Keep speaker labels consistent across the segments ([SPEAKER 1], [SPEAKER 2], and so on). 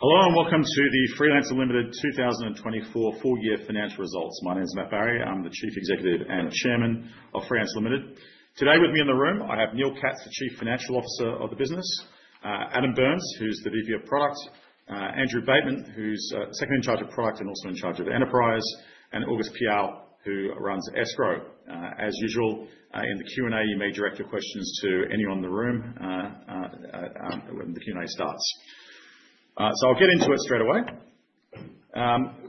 [SPEAKER 1] Hello and welcome to the Freelancer Ltd 2024 full year financial results. My name is Matt Barrie. I'm the Chief Executive and Chairman of Freelancer Ltd. Today with me in the room, I have Neil Katz, the Chief Financial Officer of the business, Adam Byrnes, who's the VP of Product, Andrew Bateman, who's second in charge of Product and also in charge of Enterprise, and August Piao, who runs Escrow. As usual, in the Q&A, you may direct your questions to anyone in the room when the Q&A starts. I'll get into it straight away.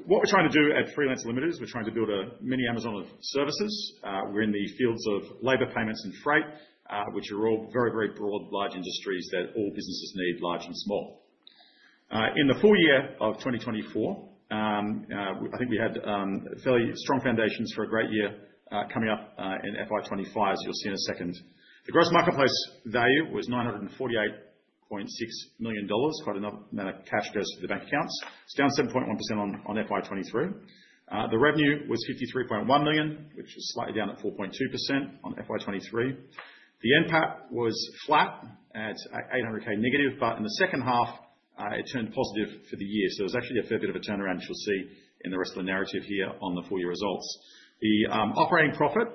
[SPEAKER 1] What we're trying to do at Freelancer Ltd is we're trying to build a mini Amazon of services. We're in the fields of labor, payments, and freight, which are all very, very broad, large industries that all businesses need, large and small. In the full year of 2024, I think we had fairly strong foundations for a great year coming up in FY25, as you'll see in a second. The gross marketplace value was $948.6 million. Quite a number of cash goes to the bank accounts. It's down 7.1% on FY23. The revenue was $53.1 million, which is slightly down at 4.2% on FY23. The NPAT was flat at $800,000 negative, but in the second half, it turned positive for the year. There is actually a fair bit of a turnaround, as you'll see in the rest of the narrative here on the full year results. The operating profit,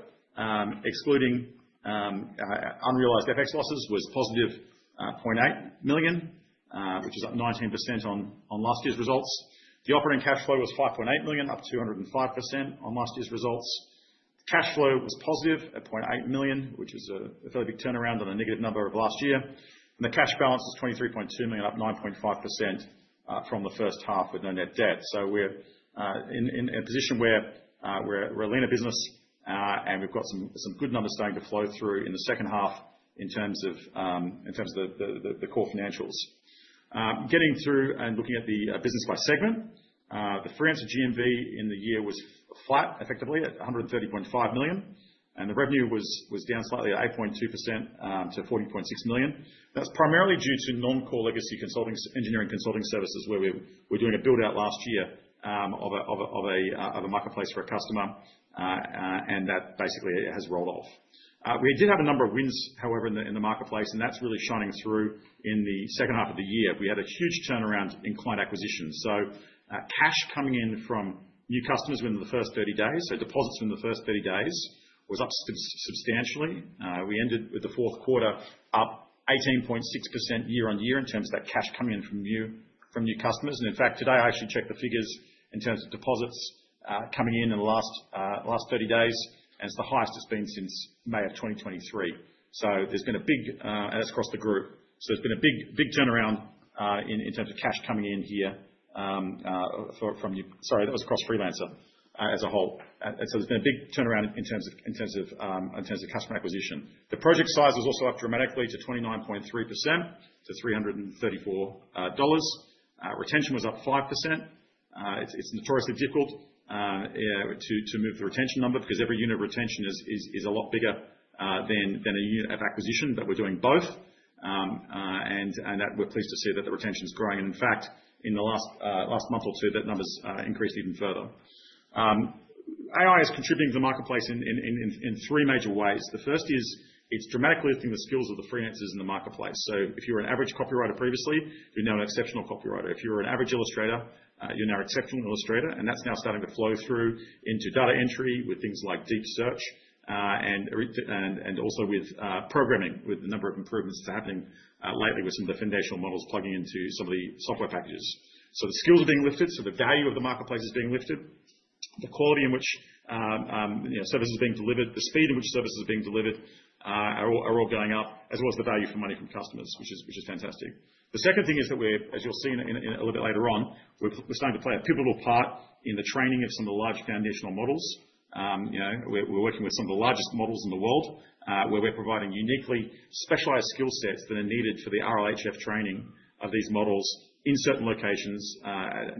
[SPEAKER 1] excluding unrealized FX losses, was positive at $800,000, which is up 19% on last year's results. The operating cash flow was $5.8 million, up 205% on last year's results. Cash flow was positive at $800,000, which is a fairly big turnaround on a negative number of last year. The cash balance was $23.2 million, up 9.5% from the first half with no net debt. We are in a position where we are a leaner business, and we have got some good numbers starting to flow through in the second half in terms of the core financials. Getting through and looking at the business by segment, the Freelancer GMV in the year was flat, effectively, at $130.5 million. The revenue was down slightly at 8.2% to $14.6 million. That is primarily due to non-core legacy engineering consulting services, where we were doing a build-out last year of a marketplace for a customer, and that basically has rolled off. We did have a number of wins, however, in the marketplace, and that is really shining through in the second half of the year. We had a huge turnaround in client acquisitions. Cash coming in from new customers within the first 30 days, so deposits within the first 30 days, was up substantially. We ended with the fourth quarter up 18.6% year on year in terms of that cash coming in from new customers. In fact, today, I actually checked the figures in terms of deposits coming in in the last 30 days, and it is the highest it has been since May of 2023. There has been a big—and that is across the group. There has been a big turnaround in terms of cash coming in here from—sorry, that was across Freelancer as a whole. There has been a big turnaround in terms of customer acquisition. The project size was also up dramatically to 29.3%, to $334. Retention was up 5%. It's notoriously difficult to move the retention number because every unit of retention is a lot bigger than a unit of acquisition, but we're doing both. We're pleased to see that the retention's growing. In fact, in the last month or two, that number's increased even further. AI is contributing to the marketplace in three major ways. The first is it's dramatically lifting the skills of the freelancers in the marketplace. If you were an average copywriter previously, you're now an exceptional copywriter. If you were an average illustrator, you're now an exceptional illustrator. That is now starting to flow through into data entry with things like deep search and also with programming, with the number of improvements that are happening lately with some of the foundational models plugging into some of the software packages. The skills are being lifted. The value of the marketplace is being lifted. The quality in which services are being delivered, the speed in which services are being delivered are all going up, as well as the value for money from customers, which is fantastic. The second thing is that, as you will see a little bit later on, we are starting to play a pivotal part in the training of some of the large foundational models. We're working with some of the largest models in the world, where we're providing uniquely specialized skill sets that are needed for the RLHF training of these models in certain locations at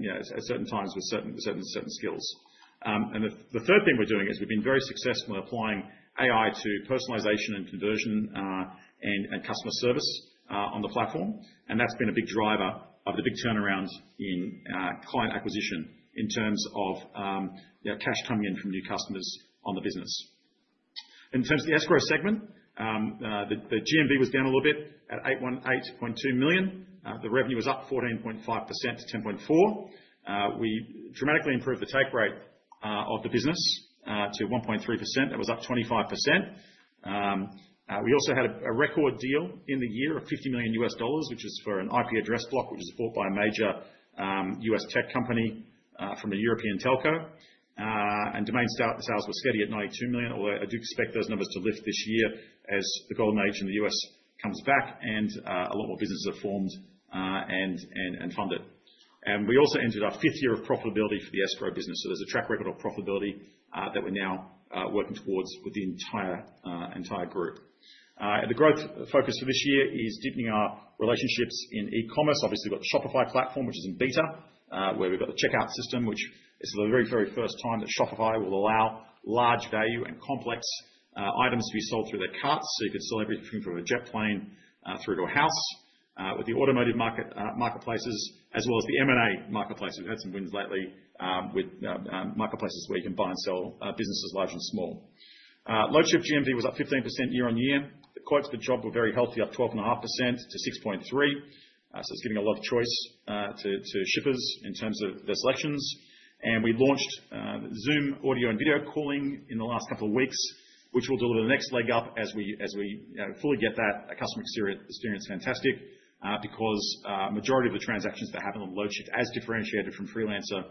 [SPEAKER 1] certain times with certain skills. The third thing we're doing is we've been very successful in applying AI to personalization and conversion and customer service on the platform. That's been a big driver of the big turnaround in client acquisition in terms of cash coming in from new customers on the business. In terms of the escrow segment, the GMV was down a little bit at $8.2 million. The revenue was up 14.5% to $10.4 million. We dramatically improved the take rate of the business to 1.3%. That was up 25%. We also had a record deal in the year of $50 million US dollars, which is for an IP address block, which is bought by a major US tech company from a European telco. Domain sales were steady at $92 million, although I do expect those numbers to lift this year as the golden age in the US comes back and a lot more businesses are formed and funded. We also entered our fifth year of profitability for the escrow business. There is a track record of profitability that we are now working towards with the entire group. The growth focus for this year is deepening our relationships in e-commerce. Obviously, we have got the Shopify platform, which is in beta, where we have got the checkout system, which is the very, very first time that Shopify will allow large value and complex items to be sold through their carts. You could sell everything from a jet plane through to a house with the automotive marketplaces, as well as the M&A marketplace. We've had some wins lately with marketplaces where you can buy and sell businesses large and small. Loadshift GMV was up 15% year on year. The quotes for job were very healthy, up 12.5% to 6.3. It is giving a lot of choice to shippers in terms of their selections. We launched Zoom audio and video calling in the last couple of weeks, which will deliver the next leg up as we fully get that customer experience fantastic because a majority of the transactions that happen on Loadshift, as differentiated from Freelancer,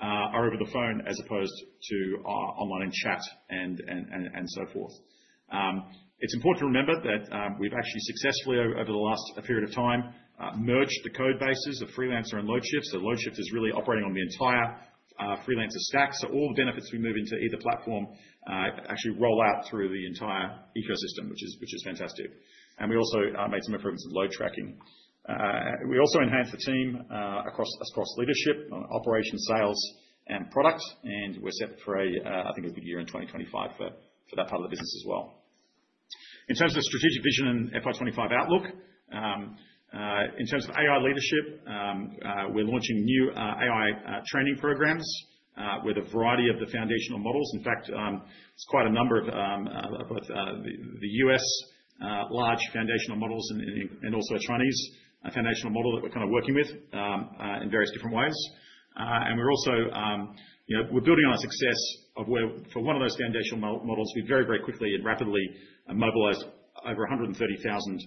[SPEAKER 1] are over the phone as opposed to online and chat and so forth. It's important to remember that we've actually successfully, over the last period of time, merged the code bases of Freelancer and Loadshift. Loadshift is really operating on the entire Freelancer stack. All the benefits we move into either platform actually roll out through the entire ecosystem, which is fantastic. We also made some improvements in load tracking. We also enhanced the team across leadership, operations, sales, and product. We're set for, I think, a good year in 2025 for that part of the business as well. In terms of the strategic vision and FY25 outlook, in terms of AI leadership, we're launching new AI training programs with a variety of the foundational models. In fact, it's quite a number of both the US large foundational models and also a Chinese foundational model that we're kind of working with in various different ways. We're also building on a success of where, for one of those foundational models, we very, very quickly and rapidly mobilized over 130,000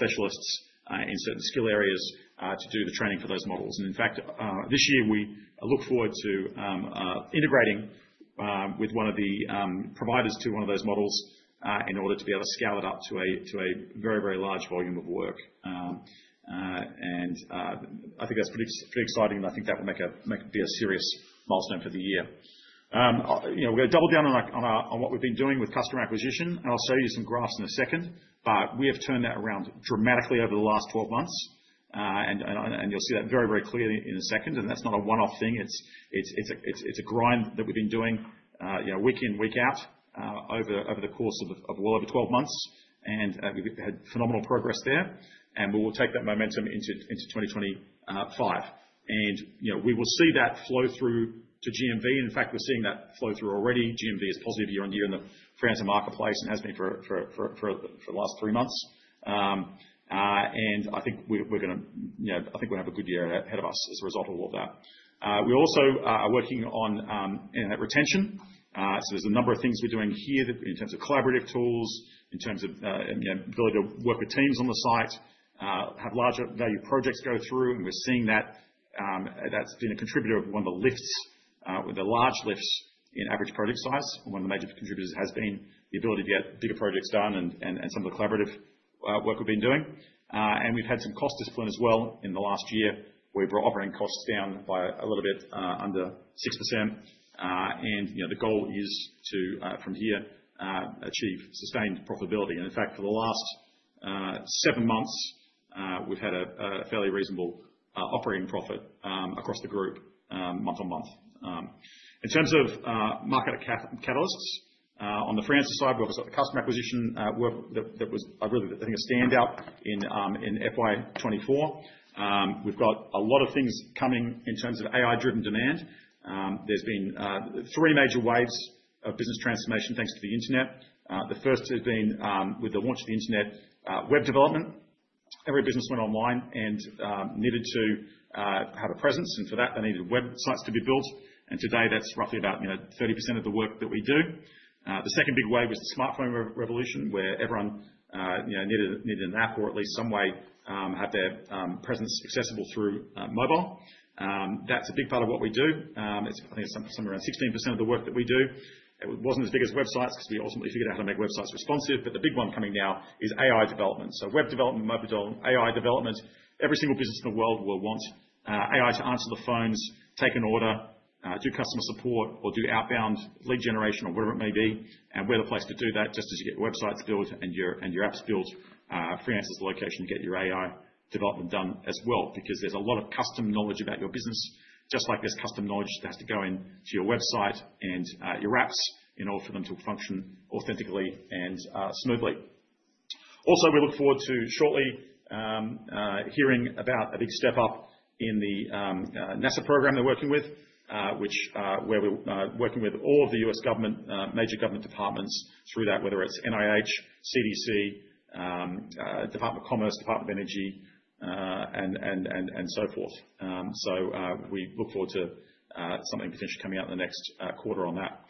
[SPEAKER 1] specialists in certain skill areas to do the training for those models. In fact, this year, we look forward to integrating with one of the providers to one of those models in order to be able to scale it up to a very, very large volume of work. I think that's pretty exciting, and I think that will be a serious milestone for the year. We're going to double down on what we've been doing with customer acquisition. I'll show you some graphs in a second. We have turned that around dramatically over the last 12 months. You'll see that very, very clearly in a second. That's not a one-off thing. It's a grind that we've been doing week in, week out over the course of well over 12 months. We've had phenomenal progress there. We will take that momentum into 2025. We will see that flow through to GMV. In fact, we're seeing that flow through already. GMV is positive year on year in the Freelancer marketplace and has been for the last three months. I think we're going to—I think we have a good year ahead of us as a result of all of that. We also are working on retention. There's a number of things we're doing here in terms of collaborative tools, in terms of the ability to work with teams on the site, have larger value projects go through. We're seeing that that's been a contributor of one of the lifts, the large lifts in average project size. One of the major contributors has been the ability to get bigger projects done and some of the collaborative work we've been doing. We have had some cost discipline as well in the last year where our operating costs are down by a little bit under 6%. The goal is to, from here, achieve sustained profitability. In fact, for the last seven months, we've had a fairly reasonable operating profit across the group month on month. In terms of market catalysts, on the Freelancer side, we've also got the customer acquisition work that was, I think, a standout in FY2024. We've got a lot of things coming in terms of AI-driven demand. There have been three major waves of business transformation thanks to the internet. The first has been, with the launch of the internet, web development. Every business went online and needed to have a presence. For that, they needed websites to be built. Today, that's roughly about 30% of the work that we do. The second big wave was the smartphone revolution, where everyone needed an app or at least some way to have their presence accessible through mobile. That's a big part of what we do. It's somewhere around 16% of the work that we do. It wasn't as big as websites because we ultimately figured out how to make websites responsive. The big one coming now is AI development. Web development, mobile development, AI development. Every single business in the world will want AI to answer the phones, take an order, do customer support, or do outbound lead generation, or whatever it may be. We're the place to do that just as you get your websites built and your apps built. Freelancer's the location to get your AI development done as well because there's a lot of custom knowledge about your business, just like there's custom knowledge that has to go into your website and your apps in order for them to function authentically and smoothly. Also, we look forward to shortly hearing about a big step up in the NASA program they're working with, where we're working with all of the US government, major government departments through that, whether it's NIH, CDC, Department of Commerce, Department of Energy, and so forth. We look forward to something potentially coming out in the next quarter on that.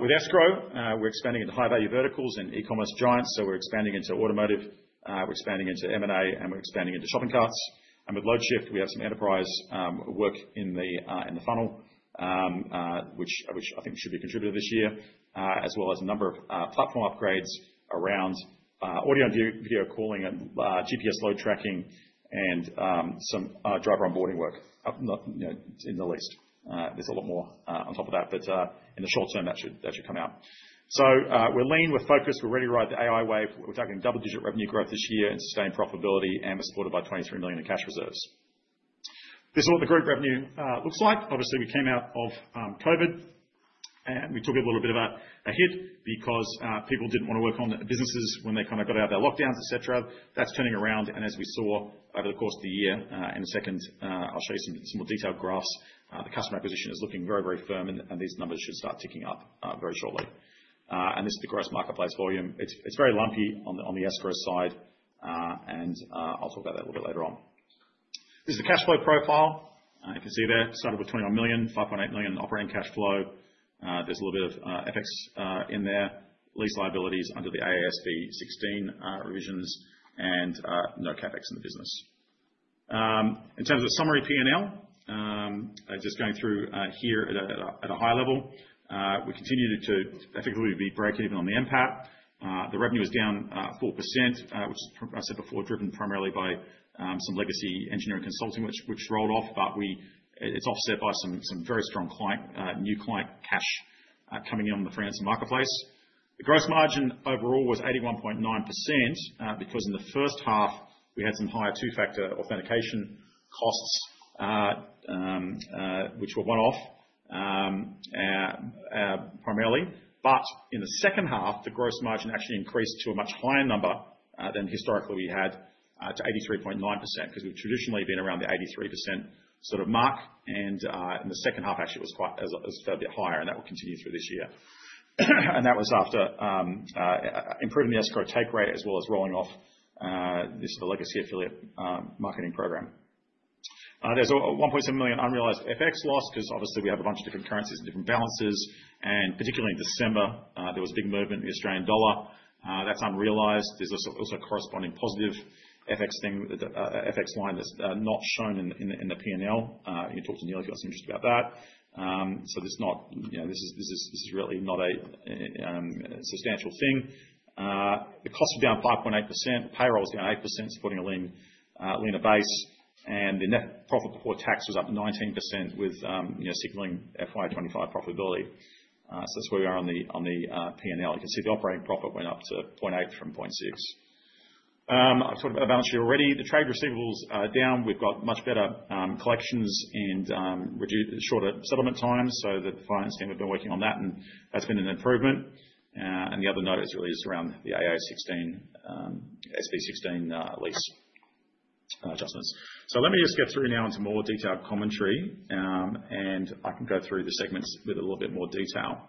[SPEAKER 1] With escrow, we're expanding into high-value verticals and e-commerce giants. We're expanding into automotive. We're expanding into M&A, and we're expanding into shopping carts. With Loadshift, we have some enterprise work in the funnel, which I think should be contributed this year, as well as a number of platform upgrades around audio and video calling and GPS load tracking and some driver onboarding work in the least. There is a lot more on top of that. In the short term, that should come out. We are lean. We are focused. We are ready to ride the AI wave. We are targeting double-digit revenue growth this year and sustained profitability. We are supported by $23 million in cash reserves. This is what the group revenue looks like. Obviously, we came out of COVID, and we took a little bit of a hit because people did not want to work on businesses when they kind of got out of their lockdowns, etc. That is turning around. As we saw over the course of the year in the second, I'll show you some more detailed graphs. The customer acquisition is looking very, very firm, and these numbers should start ticking up very shortly. This is the gross marketplace volume. It's very lumpy on the escrow side, and I'll talk about that a little bit later on. This is the cash flow profile. You can see there started with $21 million, $5.8 million in operating cash flow. There's a little bit of FX in there, lease liabilities under the AASB 16 revisions, and no CapEx in the business. In terms of summary P&L, just going through here at a high level, we continue to effectively be break-even on the NPAT. The revenue is down 4%, which is, as I said before, driven primarily by some legacy engineering consulting, which rolled off. It is offset by some very strong new client cash coming in on the Freelancer marketplace. The gross margin overall was 81.9% because in the first half, we had some higher two-factor authentication costs, which were one-off primarily. In the second half, the gross margin actually increased to a much higher number than historically we had, to 83.9% because we have traditionally been around the 83% sort of mark. In the second half, actually, it was quite a bit higher, and that will continue through this year. That was after improving the escrow take rate as well as rolling off this legacy affiliate marketing program. There is a $1.7 million unrealized FX loss because, obviously, we have a bunch of different currencies and different balances. Particularly in December, there was a big movement in the Australian dollar. That is unrealized. There's also a corresponding positive FX line that's not shown in the P&L. You can talk to Neil if you're interested about that. This is really not a substantial thing. The costs are down 5.8%. Payroll is down 8%, supporting a leaner base. The net profit before tax was up 19% with signaling FY25 profitability. That's where we are on the P&L. You can see the operating profit went up to 0.8 from 0.6. I've talked about the balance sheet already. The trade receivables are down. We've got much better collections and shorter settlement times. The finance team, we've been working on that, and that's been an improvement. The other note is really just around the AASB 16 lease adjustments. Let me just get through now into more detailed commentary, and I can go through the segments with a little bit more detail.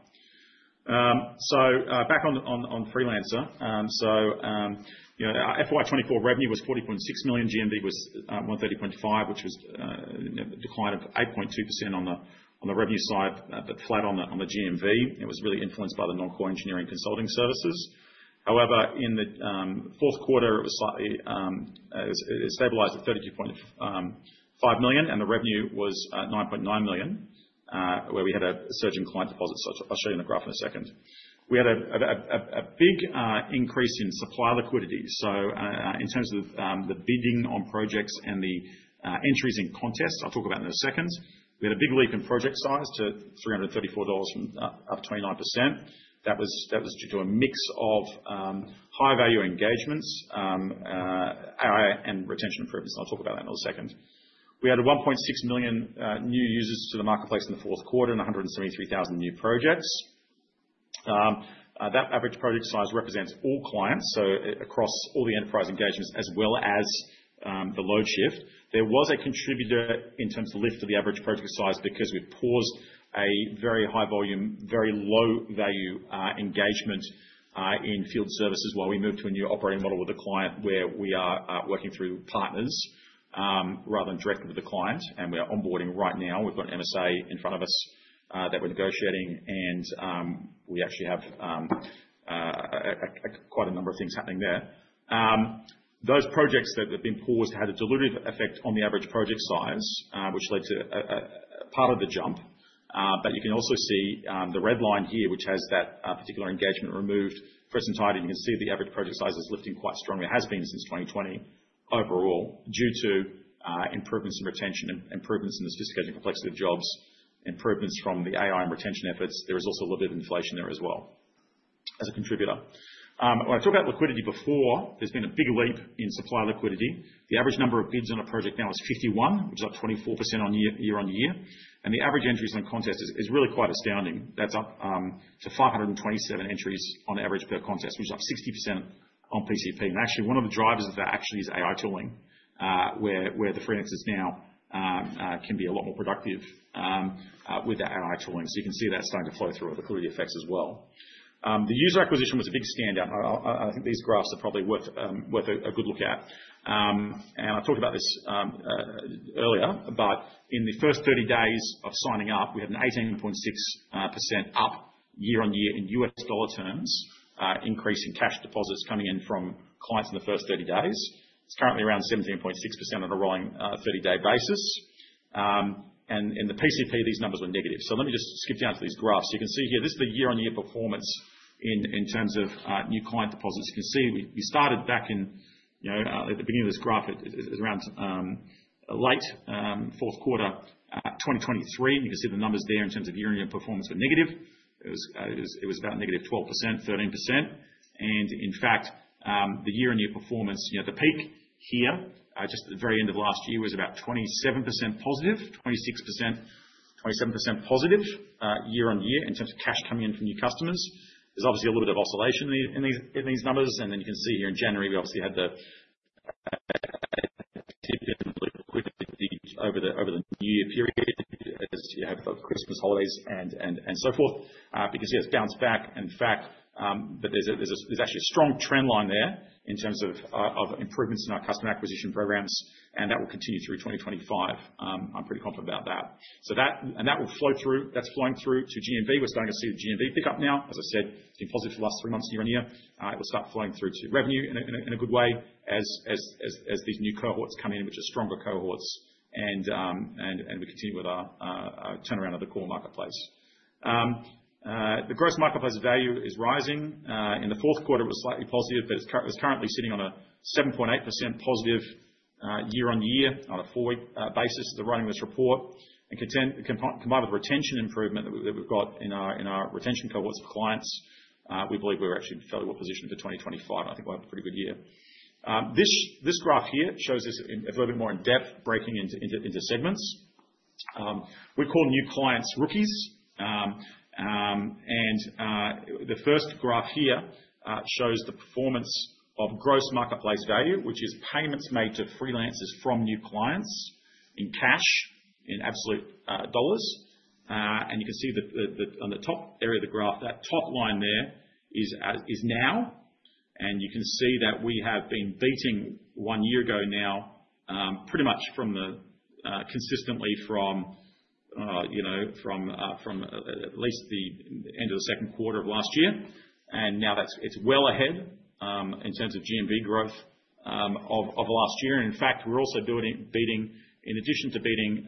[SPEAKER 1] Back on Freelancer. FY2024 revenue was $40.6 million. GMV was $130.5 million, which was a decline of 8.2% on the revenue side, but flat on the GMV. It was really influenced by the non-core engineering consulting services. However, in the fourth quarter, it stabilized at $32.5 million, and the revenue was $9.9 million, where we had a surge in client deposits. I'll show you in the graph in a second. We had a big increase in supply liquidity. In terms of the bidding on projects and the entries in contests, I'll talk about in a second. We had a big leap in project size to $334, up 29%. That was due to a mix of high-value engagements, AI, and retention improvements. I'll talk about that in a second. We added 1.6 million new users to the marketplace in the fourth quarter and 173,000 new projects. That average project size represents all clients, so across all the enterprise engagements as well as the Loadshift. There was a contributor in terms of lift of the average project size because we've paused a very high volume, very low-value engagement in field services while we moved to a new operating model with the client, where we are working through partners rather than directly with the client. We are onboarding right now. We've got an MSA in front of us that we're negotiating, and we actually have quite a number of things happening there. Those projects that have been paused had a delivery effect on the average project size, which led to part of the jump. You can also see the red line here, which has that particular engagement removed for its entirety. You can see the average project size is lifting quite strongly. It has been since 2020 overall due to improvements in retention, improvements in the sophisticated complexity of jobs, improvements from the AI and retention efforts. There is also a little bit of inflation there as well as a contributor. When I talk about liquidity before, there's been a big leap in supply liquidity. The average number of bids on a project now is 51, which is up 24% year on year. The average entries on contest is really quite astounding. That's up to 527 entries on average per contest, which is up 60% on PCP. Actually, one of the drivers of that actually is AI tooling, where the Freelancers now can be a lot more productive with AI tooling. You can see that's starting to flow through with liquidity effects as well. The user acquisition was a big standout. I think these graphs are probably worth a good look at. I talked about this earlier. In the first 30 days of signing up, we had an 18.6% up year on year in US dollar terms, increase in cash deposits coming in from clients in the first 30 days. It is currently around 17.6% on a rolling 30-day basis. In the PCP, these numbers were negative. Let me just skip down to these graphs. You can see here, this is the year-on-year performance in terms of new client deposits. You can see we started back in the beginning of this graph, it was around late fourth quarter 2023. You can see the numbers there in terms of year-on-year performance were negative. It was about negative 12%, 13%. In fact, the year-on-year performance, the peak here, just at the very end of last year, was about 27% positive, 27% positive year on year in terms of cash coming in from new customers. There's obviously a little bit of oscillation in these numbers. You can see here in January, we obviously had the quick leaps over the new year period as you have the Christmas holidays and so forth. You can see it's bounced back. In fact, there's actually a strong trend line there in terms of improvements in our customer acquisition programs, and that will continue through 2025. I'm pretty confident about that. That will flow through. That's flowing through to GMV. We're starting to see the GMV pickup now. As I said, it's been positive for the last three months, year on year. It will start flowing through to revenue in a good way as these new cohorts come in, which are stronger cohorts. We continue with our turnaround of the core marketplace. The gross marketplace value is rising. In the fourth quarter, it was slightly positive, but it is currently sitting on a 7.8% positive year on year on a four-week basis as they are writing this report. Combined with the retention improvement that we have got in our retention cohorts of clients, we believe we are actually fairly well-positioned for 2025. I think we will have a pretty good year. This graph here shows this a little bit more in depth, breaking into segments. We call new clients rookies. The first graph here shows the performance of gross marketplace value, which is payments made to Freelancers from new clients in cash, in absolute dollars. You can see on the top area of the graph, that top line there is now. You can see that we have been beating one year ago now, pretty much consistently from at least the end of the second quarter of last year. Now it is well ahead in terms of GMV growth of last year. In fact, we are also beating, in addition to beating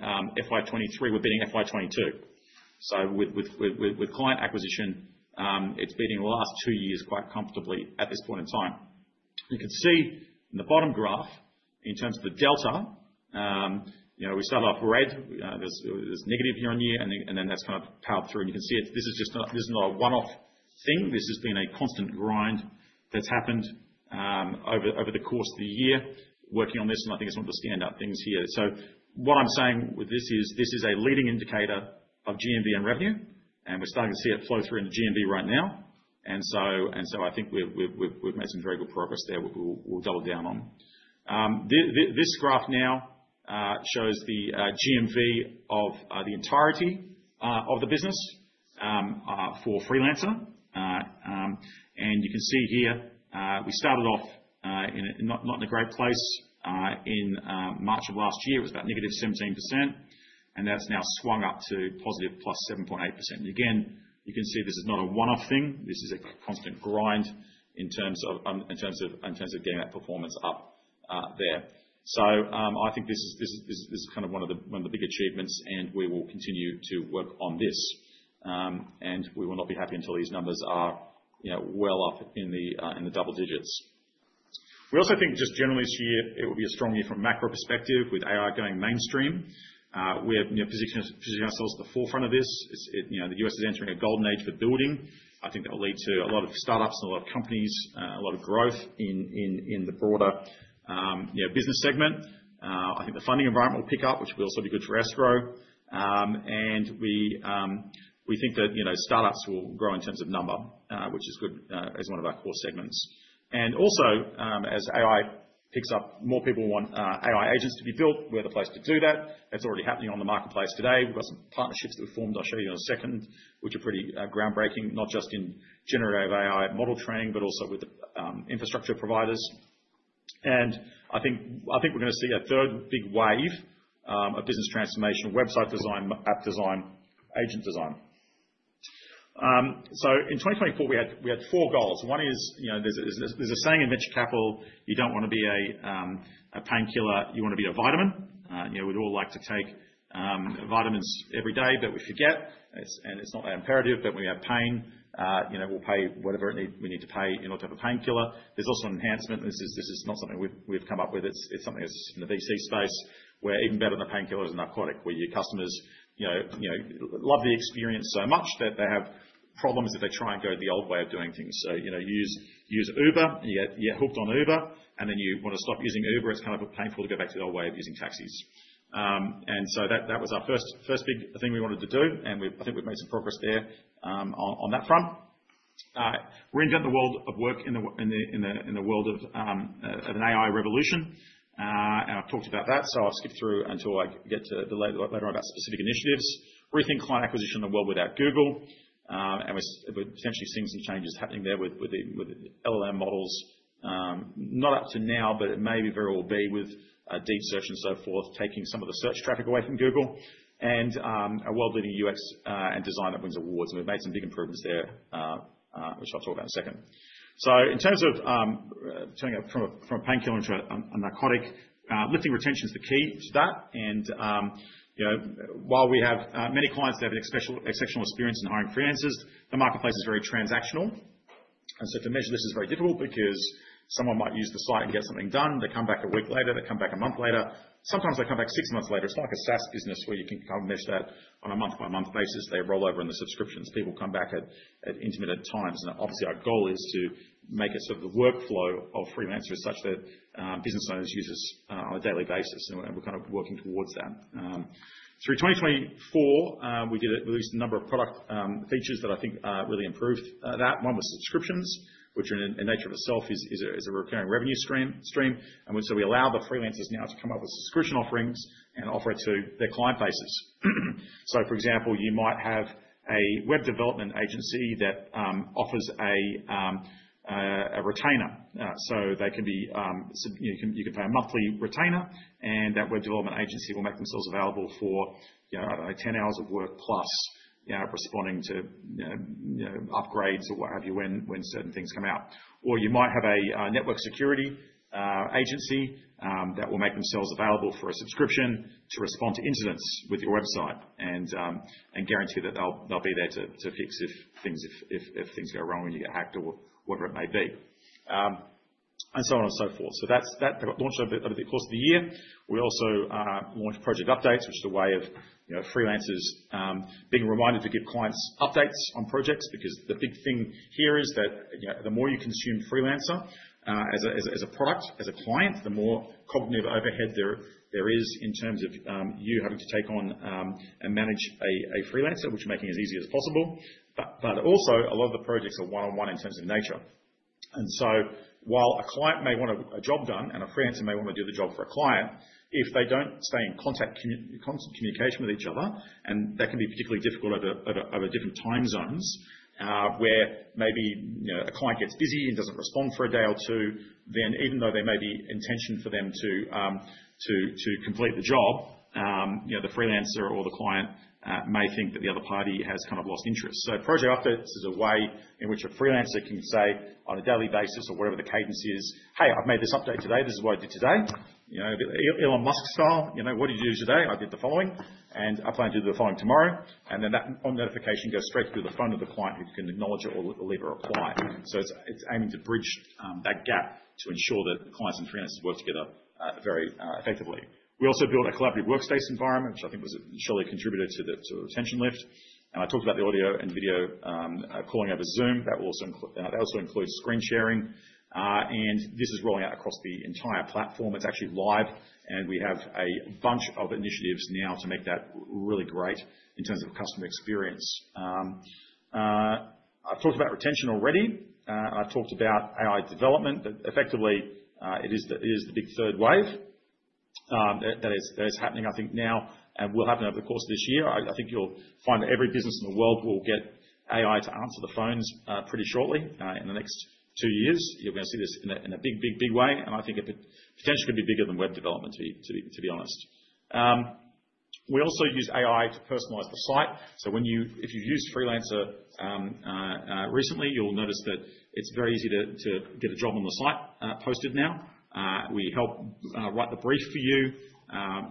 [SPEAKER 1] FY23, we are beating FY22. With client acquisition, it is beating the last two years quite comfortably at this point in time. You can see in the bottom graph, in terms of the delta, we started off red. It was negative year on year, and then that has kind of powered through. You can see this is not a one-off thing. This has been a constant grind that has happened over the course of the year. Working on this, and I think it's one of the standout things here. What I'm saying with this is this is a leading indicator of GMV and revenue, and we're starting to see it flow through into GMV right now. I think we've made some very good progress there which we'll double down on. This graph now shows the GMV of the entirety of the business for Freelancer. You can see here, we started off not in a great place in March of last year. It was about negative 17%, and that's now swung up to positive +7.8%. You can see this is not a one-off thing. This is a constant grind in terms of getting that performance up there. I think this is kind of one of the big achievements, and we will continue to work on this. We will not be happy until these numbers are well up in the double digits. We also think just generally this year, it will be a strong year from a macro perspective with AI going mainstream. We are positioning ourselves at the forefront of this. The US is entering a golden age for building. I think that will lead to a lot of startups and a lot of companies, a lot of growth in the broader business segment. I think the funding environment will pick up, which will also be good for escrow. We think that startups will grow in terms of number, which is good as one of our core segments. Also, as AI picks up, more people want AI agents to be built. We are the place to do that. That is already happening on the marketplace today. We have got some partnerships that we formed. I'll show you in a second, which are pretty groundbreaking, not just in generative AI model training, but also with infrastructure providers. I think we're going to see a third big wave of business transformation, website design, app design, agent design. In 2024, we had four goals. One is there's a saying in venture capital, you don't want to be a painkiller, you want to be a vitamin. We'd all like to take vitamins every day, but we forget. It's not that imperative, but when we have pain, we'll pay whatever we need to pay in order to have a painkiller. There's also an enhancement. This is not something we've come up with. It's something that's in the VC space, where even better than a painkiller is a narcotic, where your customers love the experience so much that they have problems if they try and go the old way of doing things. You use Uber, and you get hooked on Uber, and then you want to stop using Uber. It's kind of painful to go back to the old way of using taxis. That was our first big thing we wanted to do, and I think we've made some progress there on that front. We're in the world of work in the world of an AI revolution, and I've talked about that, so I'll skip through until I get to the letter about specific initiatives. Rethink client acquisition in a world without Google, and we're potentially seeing some changes happening there with LLM models. Not up to now, but it may very well be with deep search and so forth, taking some of the search traffic away from Google and a world-leading UX and design that wins awards. We have made some big improvements there, which I'll talk about in a second. In terms of turning from a painkiller into a narcotic, lifting retention is the key to that. While we have many clients that have exceptional experience in hiring Freelancers, the marketplace is very transactional. To measure this is very difficult because someone might use the site and get something done. They come back a week later. They come back a month later. Sometimes they come back six months later. It's not like a SaaS business where you can kind of measure that on a month-by-month basis. They roll over in the subscriptions. People come back at intermittent times. Obviously, our goal is to make it so that the workflow of Freelancer is such that business owners use us on a daily basis. We are kind of working towards that. Through 2024, we released a number of product features that I think really improved that. One was subscriptions, which in nature of itself is a recurring revenue stream. We allow the Freelancers now to come up with subscription offerings and offer it to their client bases. For example, you might have a web development agency that offers a retainer. You can pay a monthly retainer, and that web development agency will make themselves available for, I do not know, 10 hours of work plus responding to upgrades or what have you when certain things come out. You might have a network security agency that will make themselves available for a subscription to respond to incidents with your website and guarantee that they'll be there to fix if things go wrong and you get hacked or whatever it may be, and so on and so forth. That got launched over the course of the year. We also launched project updates, which is a way of Freelancers being reminded to give clients updates on projects because the big thing here is that the more you consume Freelancer as a product, as a client, the more cognitive overhead there is in terms of you having to take on and manage a Freelancer, which we're making as easy as possible. Also, a lot of the projects are one-on-one in terms of nature. While a client may want a job done and a Freelancer may want to do the job for a client, if they do not stay in constant communication with each other, and that can be particularly difficult over different time zones where maybe a client gets busy and does not respond for a day or two, even though there may be intention for them to complete the job, the Freelancer or the client may think that the other party has kind of lost interest. Project Updates is a way in which a Freelancer can say on a daily basis or whatever the cadence is, "Hey, I've made this update today. This is what I did today. Elon Musk style, "What did you do today?" "I did the following." "And I plan to do the following tomorrow." That notification goes straight through the phone of the client who can acknowledge it or leave a reply. It is aiming to bridge that gap to ensure that the clients and Freelancers work together very effectively. We also built a collaborative workspace environment, which I think was a surely contributor to the retention lift. I talked about the audio and video calling over Zoom. That also includes screen sharing. This is rolling out across the entire platform. It is actually live, and we have a bunch of initiatives now to make that really great in terms of customer experience. I have talked about retention already. I have talked about AI development. Effectively, it is the big third wave that is happening, I think, now and will happen over the course of this year. I think you'll find that every business in the world will get AI to answer the phones pretty shortly. In the next two years, you're going to see this in a big, big, big way. I think it potentially could be bigger than web development, to be honest. We also use AI to personalize the site. If you've used Freelancer recently, you'll notice that it's very easy to get a job on the site posted now. We help write the brief for you.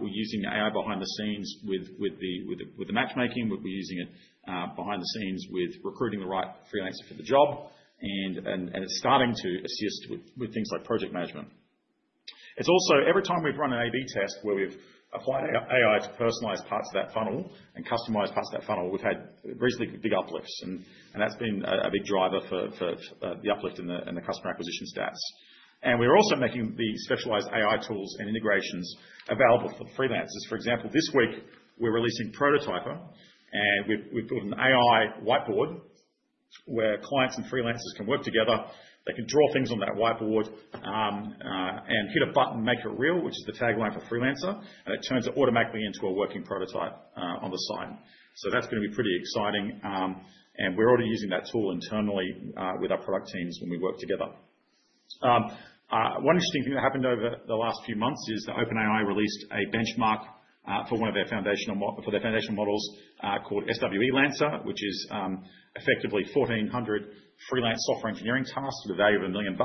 [SPEAKER 1] We're using AI behind the scenes with the matchmaking. We're using it behind the scenes with recruiting the right Freelancer for the job and starting to assist with things like project management. Every time we've run an A/B test where we've applied AI to personalize parts of that funnel and customize parts of that funnel, we've had reasonably big uplifts. That has been a big driver for the uplift in the customer acquisition stats. We're also making the specialized AI tools and integrations available for Freelancers. For example, this week, we're releasing Prototyper. We've built an AI whiteboard where clients and Freelancers can work together. They can draw things on that whiteboard and hit a button, make it real, which is the tagline for Freelancer. It turns automatically into a working prototype on the site. That is going to be pretty exciting. We're already using that tool internally with our product teams when we work together. One interesting thing that happened over the last few months is that OpenAI released a benchmark for one of their foundational models called SWE-bench, which is effectively 1,400 freelance software engineering tasks for the value of $1 million,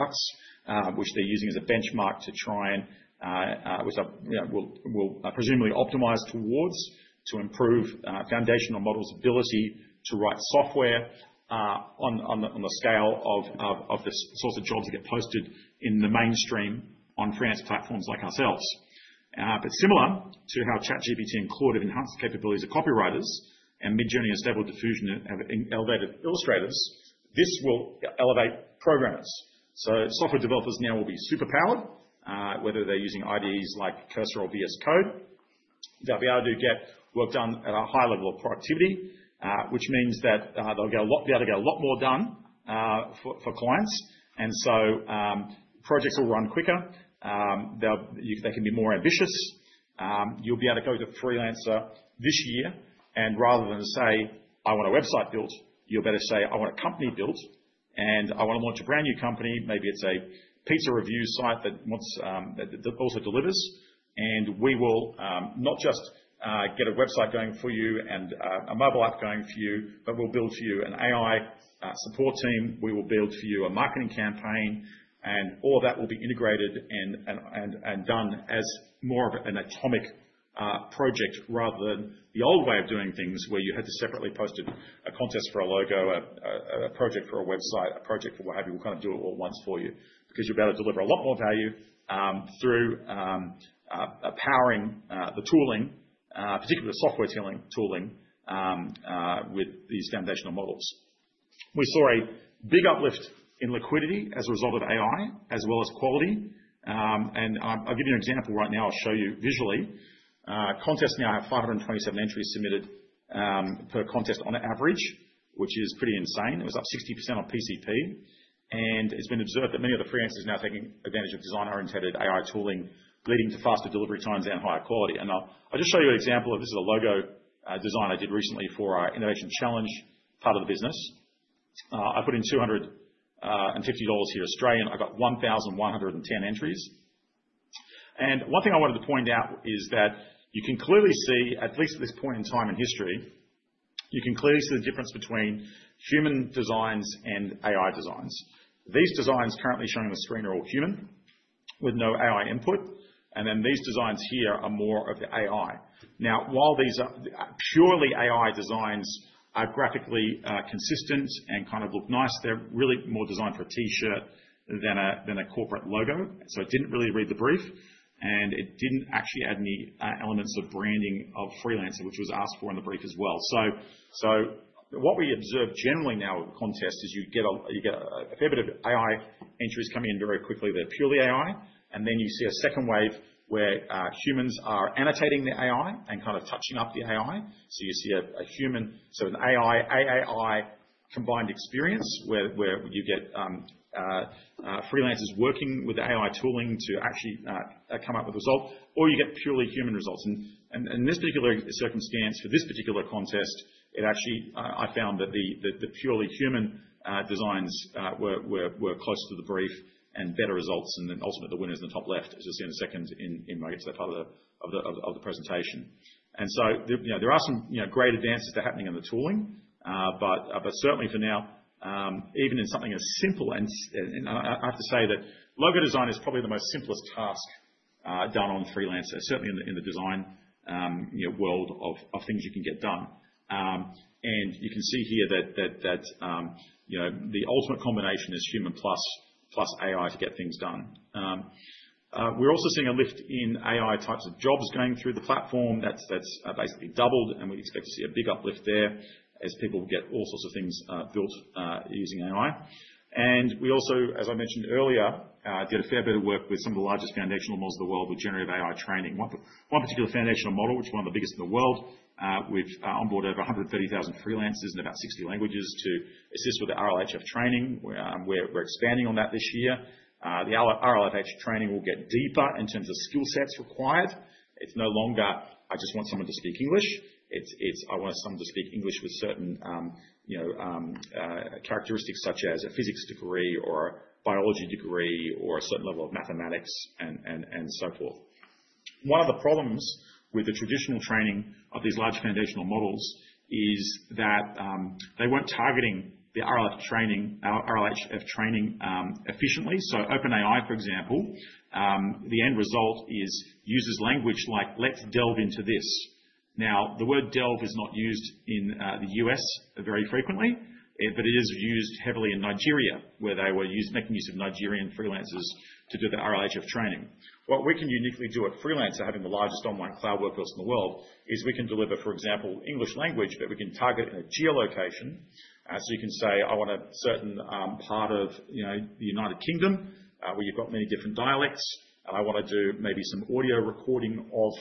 [SPEAKER 1] which they're using as a benchmark to try and which will presumably optimize towards to improve foundational models' ability to write software on the scale of the sorts of jobs that get posted in the mainstream on freelance platforms like ourselves. Similar to how ChatGPT and Claude have enhanced the capabilities of copywriters and Midjourney and Stable Diffusion have elevated illustrators, this will elevate programmers. Software developers now will be superpowered, whether they're using IDEs like Cursor or VS Code. They'll be able to get work done at a high level of productivity, which means that they'll be able to get a lot more done for clients. Projects will run quicker. They can be more ambitious. You will be able to go to Freelancer this year, and rather than say, "I want a website built," you will be able to say, "I want a company built, and I want to launch a brand new company." Maybe it is a pizza review site that also delivers. We will not just get a website going for you and a mobile app going for you, but we will build for you an AI support team. We will build for you a marketing campaign. All of that will be integrated and done as more of an atomic project rather than the old way of doing things where you had to separately post a contest for a logo, a project for a website, a project for what have you. We'll kind of do it all once for you because you'll be able to deliver a lot more value through powering the tooling, particularly the software tooling, with these foundational models. We saw a big uplift in liquidity as a result of AI as well as quality. I'll give you an example right now. I'll show you visually. Contests now have 527 entries submitted per contest on average, which is pretty insane. It was up 60% on PCP. It's been observed that many of the Freelancers are now taking advantage of design-oriented AI tooling, leading to faster delivery times and higher quality. I'll just show you an example of this. This is a logo design I did recently for our innovation challenge part of the business. I put in 250 dollars here in Australia. I got 1,110 entries. One thing I wanted to point out is that you can clearly see, at least at this point in time in history, you can clearly see the difference between human designs and AI designs. These designs currently shown on the screen are all human with no AI input. These designs here are more of the AI. Now, while these purely AI designs are graphically consistent and kind of look nice, they're really more designed for a T-shirt than a corporate logo. It didn't really read the brief, and it didn't actually add any elements of branding of Freelancer, which was asked for in the brief as well. What we observe generally now with contests is you get a fair bit of AI entries coming in very quickly that are purely AI. You see a second wave where humans are annotating the AI and kind of touching up the AI. You see a human, so an AI-AI combined experience where you get Freelancers working with the AI tooling to actually come up with results, or you get purely human results. In this particular circumstance, for this particular contest, actually I found that the purely human designs were close to the brief and better results. Ultimately, the winner is in the top left, as you'll see in a second in my next part of the presentation. There are some great advances that are happening in the tooling, but certainly for now, even in something as simple, and I have to say that logo design is probably the most simplest task done on Freelancer, certainly in the design world of things you can get done. You can see here that the ultimate combination is human plus AI to get things done. We're also seeing a lift in AI types of jobs going through the platform. That's basically doubled, and we expect to see a big uplift there as people get all sorts of things built using AI. We also, as I mentioned earlier, did a fair bit of work with some of the largest foundational models of the world with generative AI training. One particular foundational model, which is one of the biggest in the world, we've onboarded over 130,000 Freelancers in about 60 languages to assist with the RLHF training. We're expanding on that this year. The RLHF training will get deeper in terms of skill sets required. It's no longer, "I just want someone to speak English." It's, "I want someone to speak English with certain characteristics such as a physics degree or a biology degree or a certain level of mathematics and so forth." One of the problems with the traditional training of these large foundational models is that they weren't targeting the RLHF training efficiently. OpenAI, for example, the end result is users' language like, "Let's delve into this." Now, the word "delve" is not used in the US very frequently, but it is used heavily in Nigeria where they were making use of Nigerian Freelancers to do the RLHF training. What we can uniquely do at Freelancer, having the largest online cloud workforce in the world, is we can deliver, for example, English language, but we can target it in a geolocation. You can say, "I want a certain part of the U.K. where you've got many different dialects, and I want to do maybe some audio recording or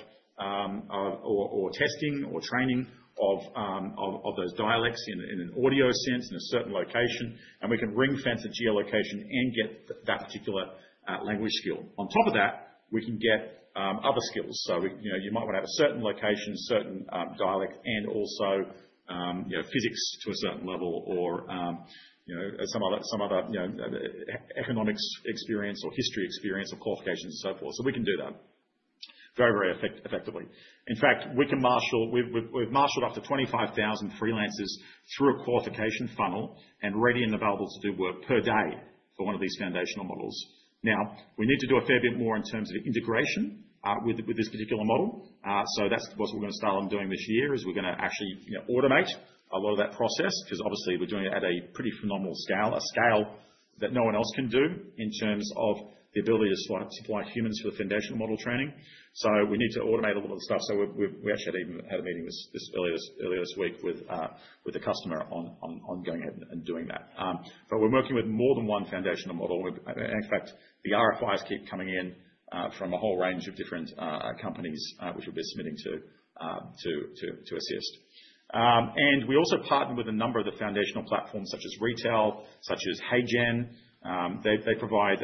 [SPEAKER 1] testing or training of those dialects in an audio sense in a certain location." We can ring-fence a geolocation and get that particular language skill. On top of that, we can get other skills. You might want to have a certain location, certain dialect, and also physics to a certain level or some other economics experience or history experience or qualifications and so forth. We can do that very, very effectively. In fact, we've marshaled up to 25,000 Freelancers through a qualification funnel and ready and available to do work per day for one of these foundational models. Now, we need to do a fair bit more in terms of integration with this particular model. That is what we are going to start on doing this year. We are going to actually automate a lot of that process because obviously, we are doing it at a pretty phenomenal scale, a scale that no one else can do in terms of the ability to supply humans for the foundational model training. We need to automate a lot of the stuff. We actually had a meeting earlier this week with the customer on going ahead and doing that. We are working with more than one foundational model. In fact, the RFIs keep coming in from a whole range of different companies which we will be submitting to assist. We also partner with a number of the foundational platforms such as Retell, such as HeyGen. They provide,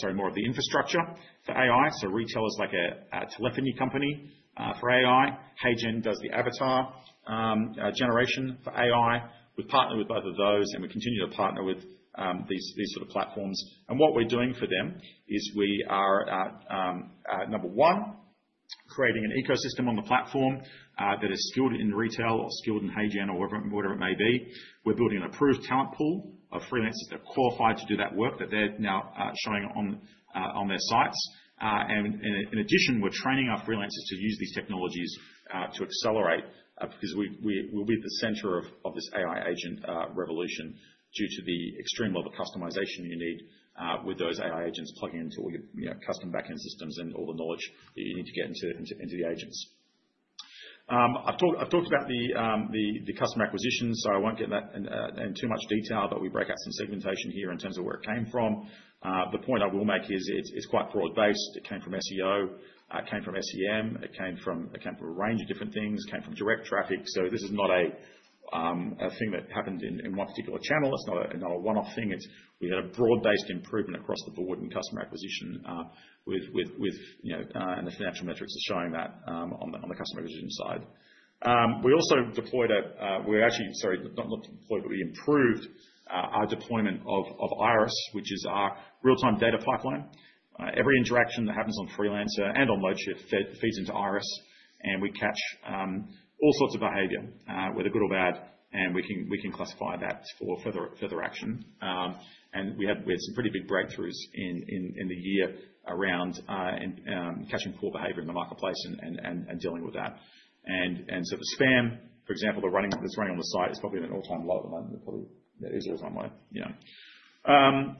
[SPEAKER 1] sorry, more of the infrastructure for AI. Retell is like a telephony company for AI. HeyGen does the avatar generation for AI. We have partnered with both of those, and we continue to partner with these sort of platforms. What we are doing for them is we are, number one, creating an ecosystem on the platform that is skilled in retail or skilled in HeyGen or whatever it may be. We are building an approved talent pool of Freelancers that are qualified to do that work that they are now showing on their sites. In addition, we are training our Freelancers to use these technologies to accelerate because we are at the center of this AI agent revolution due to the extreme level of customization you need with those AI agents plugging into all your custom backend systems and all the knowledge that you need to get into the agents. I've talked about the customer acquisition, so I won't get that in too much detail, but we break out some segmentation here in terms of where it came from. The point I will make is it's quite broad-based. It came from SEO. It came from SEM. It came from a range of different things. It came from direct traffic. This is not a thing that happened in one particular channel. It's not a one-off thing. We had a broad-based improvement across the board in customer acquisition, and the financial metrics are showing that on the customer acquisition side. We also deployed a—actually, sorry, not deployed, but we improved our deployment of Iris, which is our real-time data pipeline. Every interaction that happens on Freelancer and on Loadshift feeds into Iris, and we catch all sorts of behavior, whether good or bad, and we can classify that for further action. We had some pretty big breakthroughs in the year around catching poor behavior in the marketplace and dealing with that. The spam, for example, that's running on the site is probably an all-time low at the moment. It's probably the easiest one way. Yeah.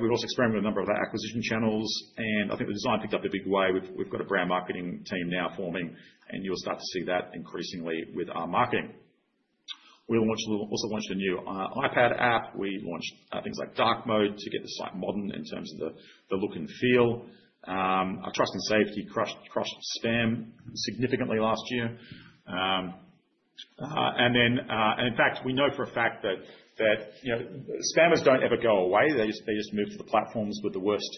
[SPEAKER 1] We've also experimented with a number of acquisition channels, and I think the design picked up a big way. We've got a brand marketing team now forming, and you'll start to see that increasingly with our marketing. We also launched a new iPad app. We launched things like dark mode to get the site modern in terms of the look and feel. Trust and safety crushed spam significantly last year. In fact, we know for a fact that spammers do not ever go away. They just move to the platforms with the worst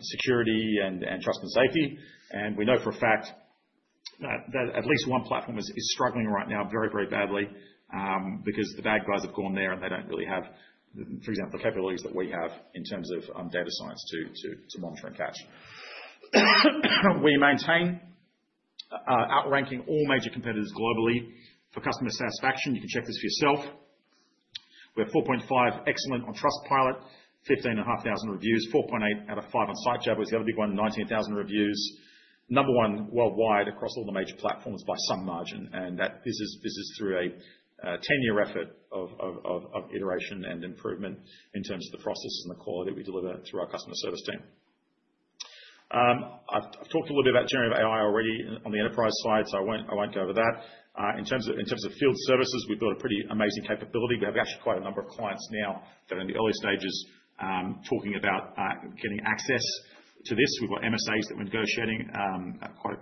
[SPEAKER 1] security and trust and safety. We know for a fact that at least one platform is struggling right now very, very badly because the bad guys have gone there, and they do not really have, for example, the capabilities that we have in terms of data science to monitor and catch. We maintain outranking all major competitors globally for customer satisfaction. You can check this for yourself. We are 4.5 excellent on Trustpilot, 15,500 reviews, 4.8 out of 5 on Sitejob, which is the other big one, 19,000 reviews. Number one worldwide across all the major platforms by some margin. This is through a 10-year effort of iteration and improvement in terms of the process and the quality we deliver through our customer service team. I've talked a little bit about generative AI already on the enterprise side, so I won't go over that. In terms of field services, we've built a pretty amazing capability. We have actually quite a number of clients now that are in the early stages talking about getting access to this. We've got MSAs that we're negotiating, quite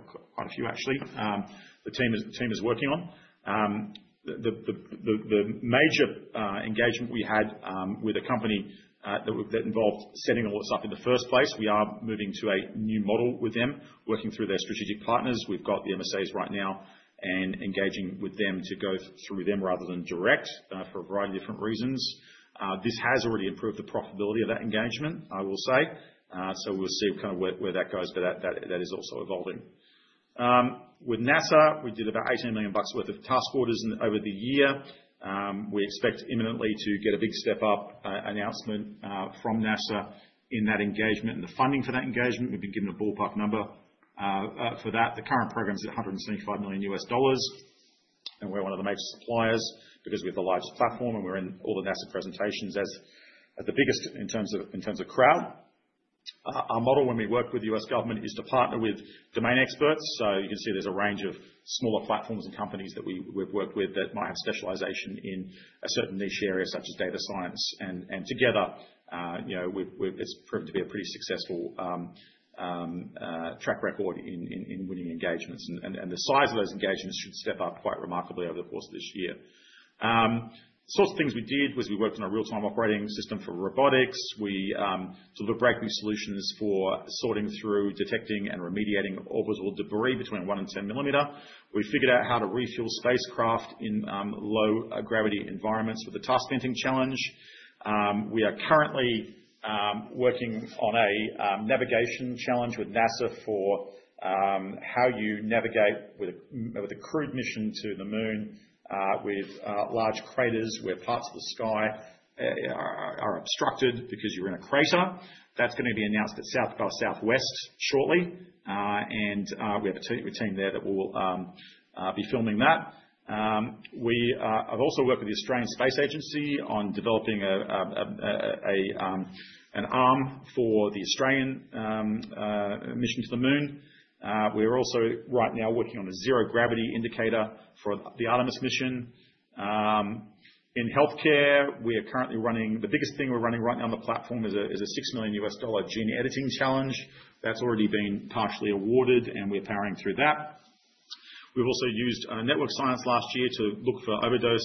[SPEAKER 1] a few actually, the team is working on. The major engagement we had with a company that involved setting all this up in the first place, we are moving to a new model with them, working through their strategic partners. We've got the MSAs right now and engaging with them to go through them rather than direct for a variety of different reasons. This has already improved the profitability of that engagement, I will say. We will see kind of where that goes, but that is also evolving. With NASA, we did about $18 million worth of task orders over the year. We expect imminently to get a big step-up announcement from NASA in that engagement and the funding for that engagement. We've been given a ballpark number for that. The current program's at $175 million, and we're one of the major suppliers because we have the largest platform, and we're in all the NASA presentations as the biggest in terms of crowd. Our model, when we work with the U.S. government, is to partner with domain experts. You can see there's a range of smaller platforms and companies that we've worked with that might have specialization in a certain niche area such as data science. Together, it's proven to be a pretty successful track record in winning engagements. The size of those engagements should step up quite remarkably over the course of this year. Sorts of things we did was we worked on a real-time operating system for robotics. We delivered breakthrough solutions for sorting through, detecting, and remediating orbital debris between 1 and 10 millimeter. We figured out how to refuel spacecraft in low gravity environments with the task venting challenge. We are currently working on a navigation challenge with NASA for how you navigate with a crewed mission to the moon with large craters where parts of the sky are obstructed because you're in a crater. That is going to be announced at South by Southwest shortly. We have a team there that will be filming that. We have also worked with the Australian Space Agency on developing an arm for the Australian mission to the moon. We are also right now working on a zero gravity indicator for the Artemis mission. In healthcare, we are currently running the biggest thing we're running right now on the platform is a $6 million gene editing challenge. That's already been partially awarded, and we're powering through that. We've also used network science last year to look for overdose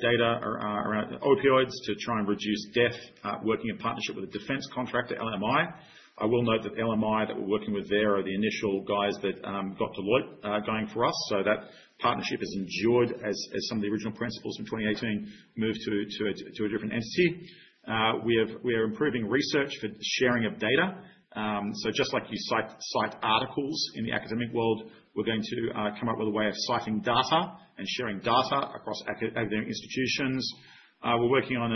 [SPEAKER 1] data around opioids to try and reduce death, working in partnership with a defense contractor, LMI. I will note that LMI that we're working with there are the initial guys that got Deloitte going for us. That partnership has endured as some of the original principals from 2018 moved to a different entity. We are improving research for sharing of data. Just like you cite articles in the academic world, we're going to come up with a way of citing data and sharing data across academic institutions. We're working on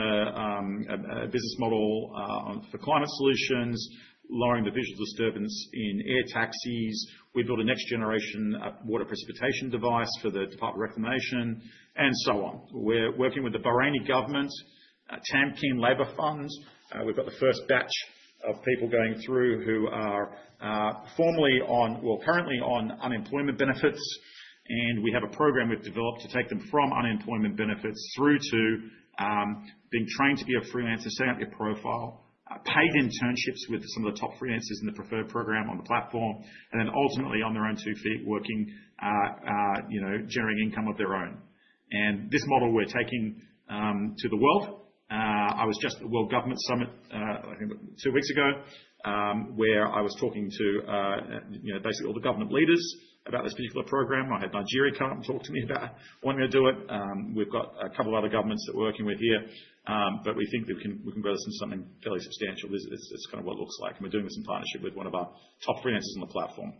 [SPEAKER 1] a business model for climate solutions, lowering the visual disturbance in air taxis. We built a next-generation water precipitation device for the Department of Reclamation, and so on. We're working with the Bahraini government, TAMKEEN labor funds. We've got the first batch of people going through who are currently on unemployment benefits. We have a program we've developed to take them from unemployment benefits through to being trained to be a freelancer, setting up your profile, paid internships with some of the top freelancers in the preferred program on the platform, and then ultimately on their own two feet working, generating income of their own. This model we're taking to the world. I was just at the World Government Summit two weeks ago where I was talking to basically all the government leaders about this particular program. I had Nigeria come up and talk to me about wanting to do it. We've got a couple of other governments that we're working with here, but we think we can grow this into something fairly substantial. This is kind of what it looks like. We are doing this in partnership with one of our top freelancers on the platform.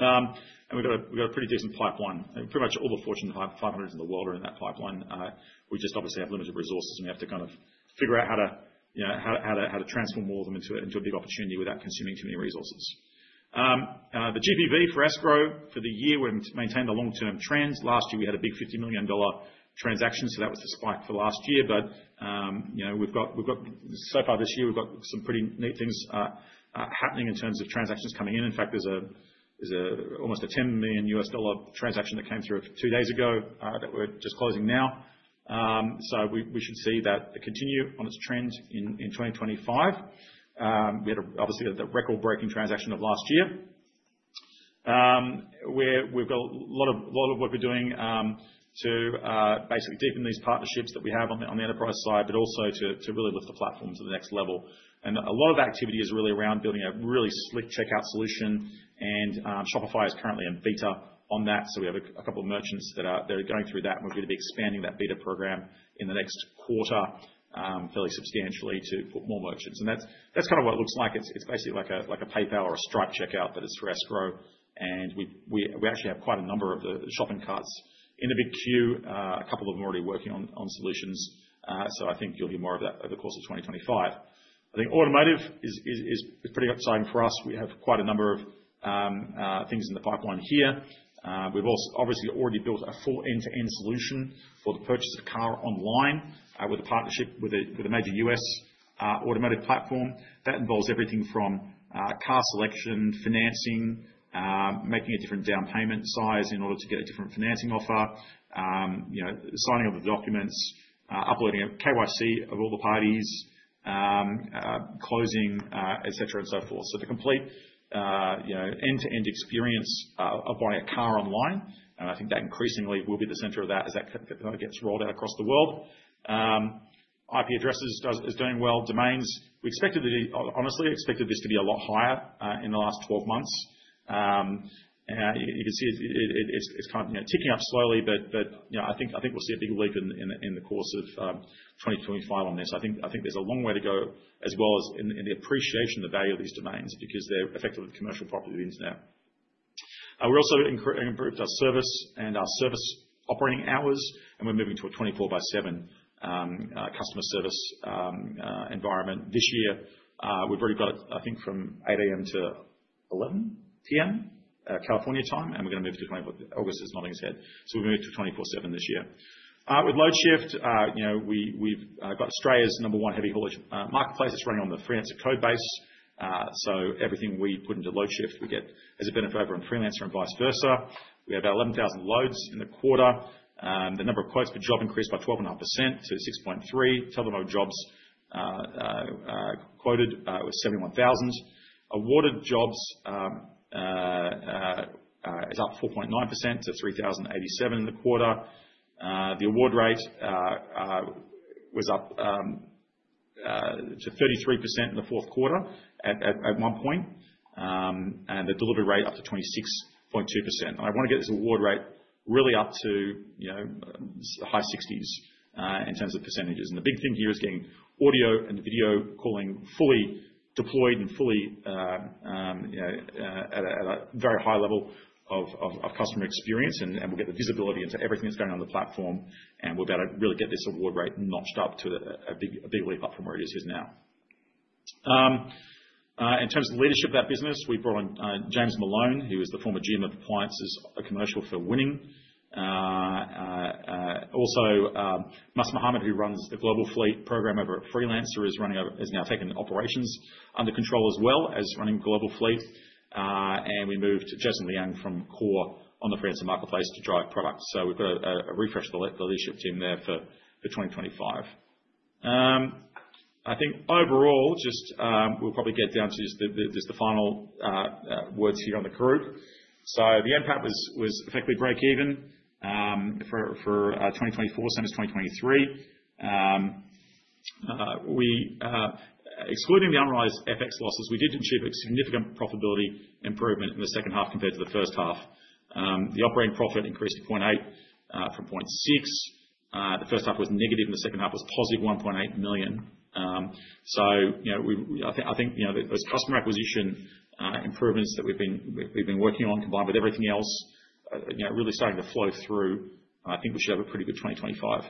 [SPEAKER 1] We've got a pretty decent pipeline. Pretty much all the Fortune 500s in the world are in that pipeline. We just obviously have limited resources, and we have to kind of figure out how to transform all of them into a big opportunity without consuming too many resources. The GPV for escrow for the year, we've maintained the long-term trends. Last year, we had a big $50 million transaction. That was the spike for last year. So far this year, we've got some pretty neat things happening in terms of transactions coming in. In fact, there's almost a $10 million transaction that came through two days ago that we're just closing now. We should see that continue on its trend in 2025. We had obviously the record-breaking transaction of last year. We've got a lot of work we're doing to basically deepen these partnerships that we have on the enterprise side, but also to really lift the platform to the next level. A lot of activity is really around building a really slick checkout solution. Shopify is currently in beta on that. We have a couple of merchants that are going through that, and we're going to be expanding that beta program in the next quarter fairly substantially to put more merchants. That's kind of what it looks like. It's basically like a PayPal or a Stripe checkout that is for escrow. We actually have quite a number of the shopping carts in the big queue. A couple of them are already working on solutions. I think you'll hear more of that over the course of 2025. I think automotive is pretty exciting for us. We have quite a number of things in the pipeline here. We've obviously already built a full end-to-end solution for the purchase of a car online with a partnership with a major US automotive platform. That involves everything from car selection, financing, making a different down payment size in order to get a different financing offer, signing of the documents, uploading a KYC of all the parties, closing, etc., and so forth. The complete end-to-end experience of buying a car online. I think that increasingly will be the center of that as that gets rolled out across the world. IP addresses is doing well. Domains, we honestly expected this to be a lot higher in the last 12 months. You can see it's kind of ticking up slowly, but I think we'll see a big leap in the course of 2025 on this. I think there's a long way to go as well as in the appreciation of the value of these domains because they're effectively commercial property of the internet. We also improved our service and our service operating hours, and we're moving to a 24x7 customer service environment this year. We've already got it, I think, from 8:00 A.M. to 11:00 P.M. California time, and we're going to move to August. It's nodding its head. So we've moved to 24/7 this year. With Loadshift, we've got Australia's number one heavy haulage marketplace. It's running on the Freelancer code base. Everything we put into Loadshift, we get as a benefit over in Freelancer and vice versa. We have about 11,000 loads in the quarter. The number of quotes per job increased by 12.5% to 6.3. TeleMo jobs quoted was 71,000. Awarded jobs is up 4.9% to 3,087 in the quarter. The award rate was up to 33% in the fourth quarter at one point, and the delivery rate up to 26.2%. I want to get this award rate really up to high 60s in terms of percentages. The big thing here is getting audio and video calling fully deployed and fully at a very high level of customer experience, and we'll get the visibility into everything that's going on the platform. We're about to really get this award rate notched up to a big leap up from where it is now. In terms of leadership of that business, we brought on James Malone, who is the former GM of Appliances Commercial for Winning. Also, Muslim Mohammed, who runs the Global Fleet program over at Freelancer, has now taken operations under control as well as running Global Fleet. We moved Jason Liang from Core on the Freelancer marketplace to drive product. We've got a refresh of the leadership team there for 2025. I think overall, just we'll probably get down to just the final words here on the group. The NPAT was effectively break even for 2024, same as 2023. Excluding the unrealized FX losses, we did achieve a significant profitability improvement in the second half compared to the first half. The operating profit increased to $0.8 million from $0.6 million. The first half was negative, and the second half was positive $1.8 million. I think those customer acquisition improvements that we've been working on, combined with everything else, really starting to flow through, I think we should have a pretty good 2025.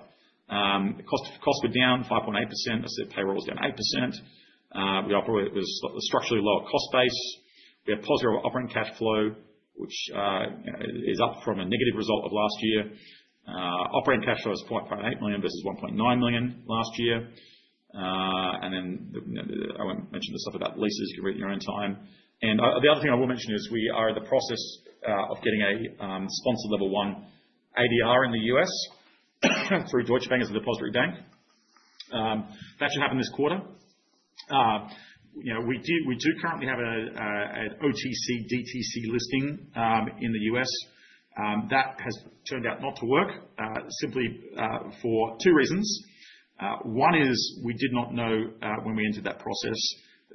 [SPEAKER 1] Costs were down 5.8%. I said payroll was down 8%. We operate with a structurally lower cost base. We have positive operating cash flow, which is up from a negative result of last year. Operating cash flow is $0.8 million versus $1.9 million last year. I won't mention the stuff about leases. You can read it in your own time. The other thing I will mention is we are in the process of getting a sponsored level one ADR in the U.S. through Deutsche Bank as a depository bank. That should happen this quarter. We do currently have an OTC DTC listing in the US. That has turned out not to work simply for two reasons. One is we did not know when we entered that process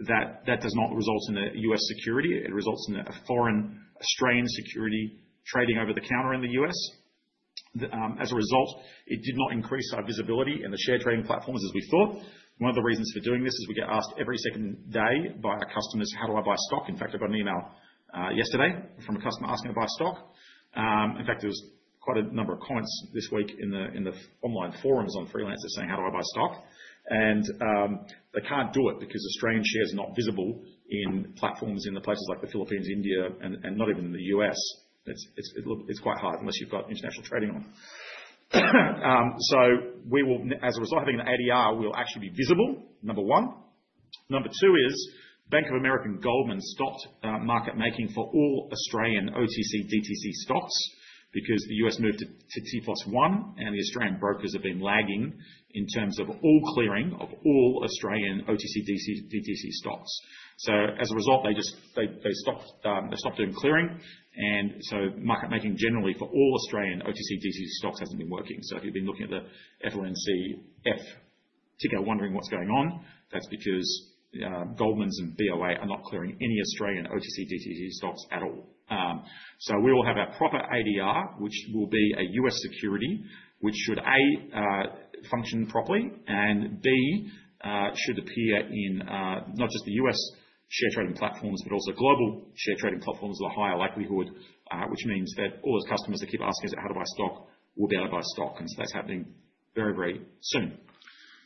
[SPEAKER 1] that that does not result in a US security. It results in a foreign, strained security trading over the counter in the US. As a result, it did not increase our visibility in the share trading platforms as we thought. One of the reasons for doing this is we get asked every second day by our customers, "How do I buy stock?" In fact, I got an email yesterday from a customer asking to buy stock. In fact, there was quite a number of comments this week in the online forums on Freelancer saying, "How do I buy stock?" And they can't do it because Australian shares are not visible in platforms in places like the Philippines, India, and not even in the U.S. It's quite hard unless you've got international trading on. As a result, having an ADR will actually be visible, number one. Number two is Bank of America and Goldman Sachs stopped market making for all Australian OTC DTC stocks because the U.S. moved to T+1, and the Australian brokers have been lagging in terms of all clearing of all Australian OTC DTC stocks. As a result, they stopped doing clearing. Market making generally for all Australian OTC DTC stocks hasn't been working. If you've been looking at the FLNCF ticker wondering what's going on, that's because Goldman Sachs and Bank of America are not clearing any Australian OTC DTC stocks at all. We will have a proper ADR, which will be a US security, which should, A, function properly, and, B, should appear in not just the US share trading platforms, but also global share trading platforms with a higher likelihood, which means that all those customers that keep asking us, "How do I buy stock?" will be able to buy stock. That is happening very,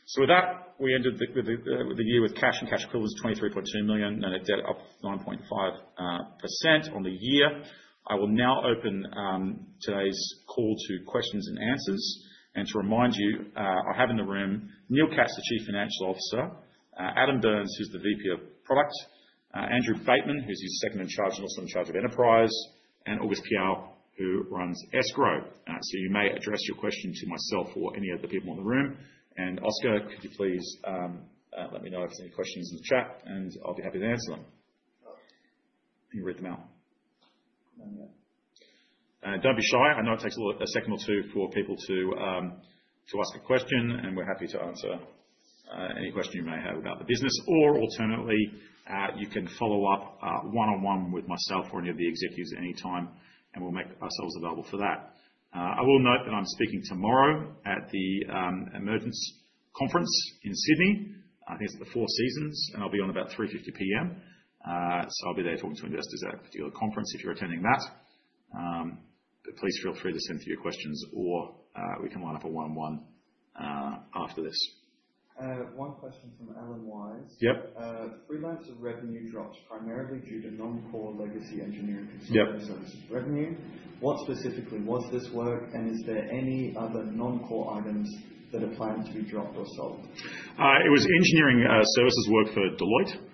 [SPEAKER 1] very soon. With that, we ended the year with cash and cash equivalents, $23.2 million, and a debt of 9.5% on the year. I will now open today's call to questions and answers. To remind you, I have in the room Neil Katz, the Chief Financial Officer, Adam Byrnes, who's the VP of Product, Andrew Bateman, who's his second in charge, and also in charge of enterprise, and August Piao, who runs escrow. You may address your question to myself or any of the people in the room. Oscar, could you please let me know if there's any questions in the chat, and I'll be happy to answer them. You can read them out. Don't be shy. I know it takes a second or two for people to ask a question, and we're happy to answer any question you may have about the business. Alternatively, you can follow up one-on-one with myself or any of the executives at any time, and we'll make ourselves available for that. I will note that I'm speaking tomorrow at the Emergence Conference in Sydney. I think it's the Four Seasons, and I'll be on about 3:50 P.M. I will be there talking to investors at a particular conference if you're attending that. Please feel free to send through your questions, or we can line up a one-on-one after this.
[SPEAKER 2] One question from Alan Wise. Yep. Freelancer revenue dropped primarily due to non-core legacy engineering consulting services revenue. What specifically was this work, and is there any other non-core items that are planned to be dropped or sold?
[SPEAKER 1] It was engineering services work for Deloitte.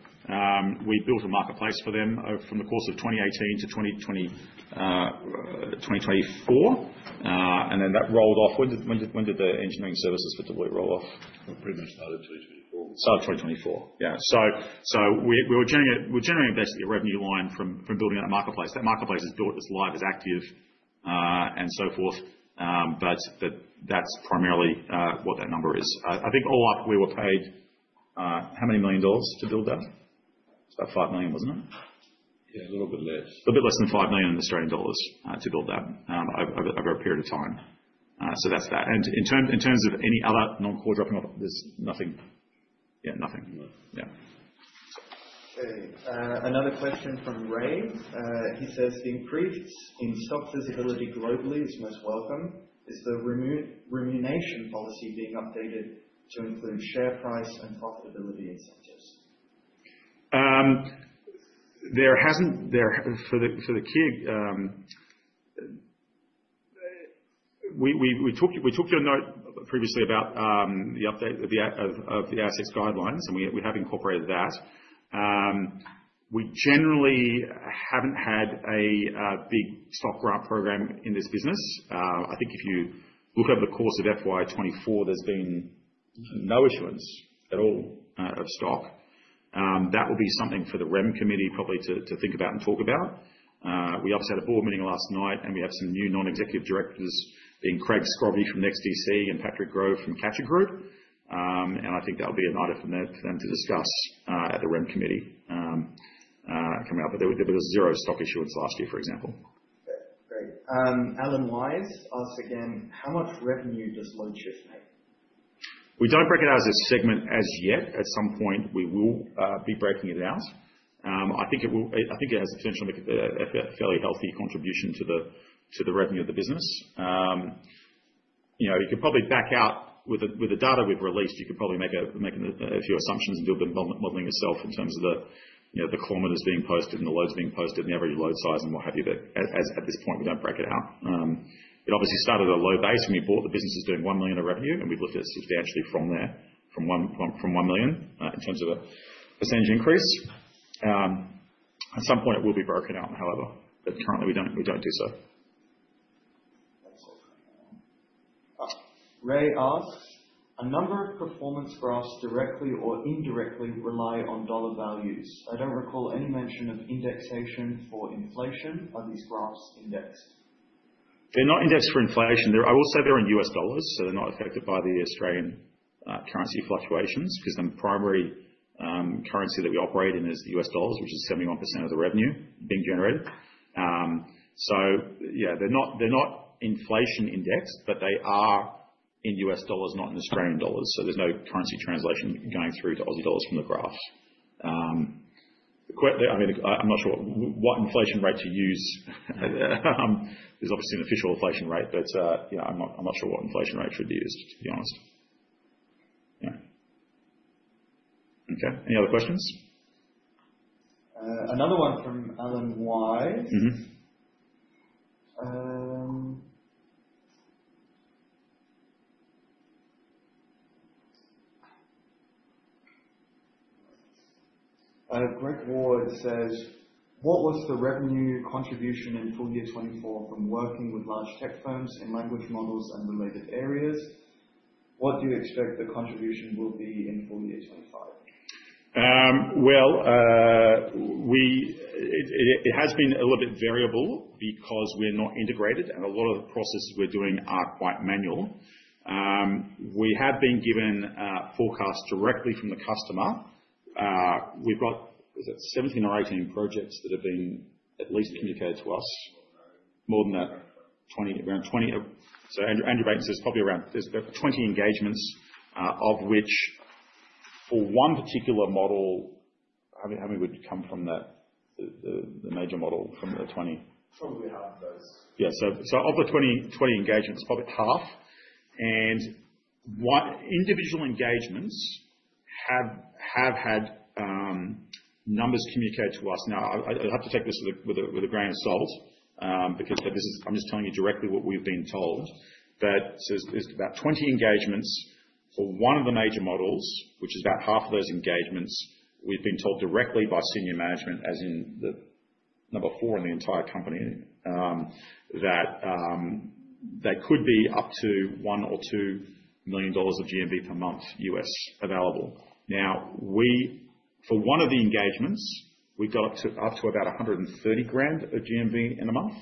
[SPEAKER 1] We built a marketplace for them from the course of 2018 to 2024. That rolled off. When did the engineering services for Deloitte roll off? Pretty much started 2024. Started 2024. Yeah. We were generating a revenue line from building out a marketplace. That marketplace is live, is active, and so forth. That is primarily what that number is. I think all up, we were paid how many million dollars to build that? It is about $5 million, was it not? Yeah, a little bit less. A bit less than 5 million Australian dollars to build that over a period of time. That is that. In terms of any other non-core dropping off, there is nothing. Yeah, nothing.
[SPEAKER 2] Another question from Ray. He says the increase in stock visibility globally is most welcome. Is the remuneration policy being updated to include share price and profitability incentives?
[SPEAKER 1] For the kid, we talked to you previously about the update of the assets guidelines, and we have incorporated that. We generally have not had a big stock grant program in this business. I think if you look over the course of FY24, there's been no issuance at all of stock. That will be something for the REM committee probably to think about and talk about. We obviously had a board meeting last night, and we have some new non-executive directors being Craig Scroggie from NexDC and Patrick Grove from Catcher Group. I think that will be a night for them to discuss at the REM committee coming up. There was zero stock issuance last year, for example.
[SPEAKER 2] Great. Alan Wise asks again, how much revenue does Loadshift make?
[SPEAKER 1] We don't break it out as a segment as yet. At some point, we will be breaking it out. I think it has the potential to make a fairly healthy contribution to the revenue of the business. You can probably back out with the data we've released. You can probably make a few assumptions and do the modeling yourself in terms of the kilometers being posted and the loads being posted and the average load size and what have you. At this point, we do not break it out. It obviously started at a low base when we bought the business doing $1 million in revenue, and we have lifted it substantially from there, from $1 million in terms of a percentage increase. At some point, it will be broken out, however. Currently, we do not do so.
[SPEAKER 2] Ray asks, a number of performance graphs directly or indirectly rely on dollar values. I do not recall any mention of indexation for inflation. Are these graphs indexed?
[SPEAKER 1] They are not indexed for inflation. I will say they're in US dollars, so they're not affected by the Australian currency fluctuations because the primary currency that we operate in is the US dollars, which is 71% of the revenue being generated. Yeah, they're not inflation indexed, but they are in US dollars, not in Australian dollars. There's no currency translation going through to Aussie dollars from the graphs. I mean, I'm not sure what inflation rate to use. There's obviously an official inflation rate, but I'm not sure what inflation rate should be used, to be honest. Yeah. Okay. Any other questions?
[SPEAKER 2] Another one from Alan Wise. Greg Ward says, what was the revenue contribution in full year 2024 from working with large tech firms in language models and related areas? What do you expect the contribution will be in full year 2025?
[SPEAKER 1] It has been a little bit variable because we're not integrated, and a lot of the processes we're doing are quite manual. We have been given forecasts directly from the customer. We've got, is it 17 or 18 projects that have been at least communicated to us? More than that, around 20. Andrew Bateman says probably around there's about 20 engagements, of which for one particular model, how many would come from the major model from the 20? Probably half of those. Yeah. Of the 20 engagements, probably half. Individual engagements have had numbers communicated to us. Now, I'd have to take this with a grain of salt because I'm just telling you directly what we've been told. There are about 20 engagements for one of the major models, which is about half of those engagements. We have been told directly by senior management, as in the number four in the entire company, that they could be up to $1 million-$2 million of GMV per month US available. For one of the engagements, we have got up to about $130,000 of GMV in a month.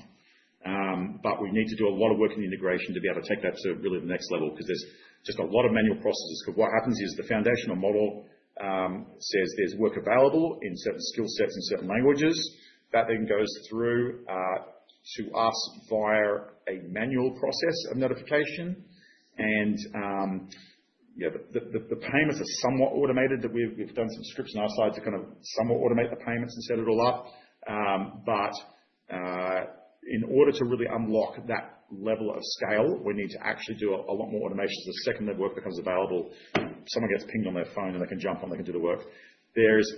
[SPEAKER 1] We need to do a lot of work in the integration to be able to take that to really the next level because there are just a lot of manual processes. What happens is the foundational model says there is work available in certain skill sets in certain languages. That then goes through to us via a manual process of notification. Yeah, the payments are somewhat automated. We've done some scripts on our side to kind of somewhat automate the payments and set it all up. In order to really unlock that level of scale, we need to actually do a lot more automation so the second the work becomes available, someone gets pinged on their phone and they can jump on, they can do the work. There's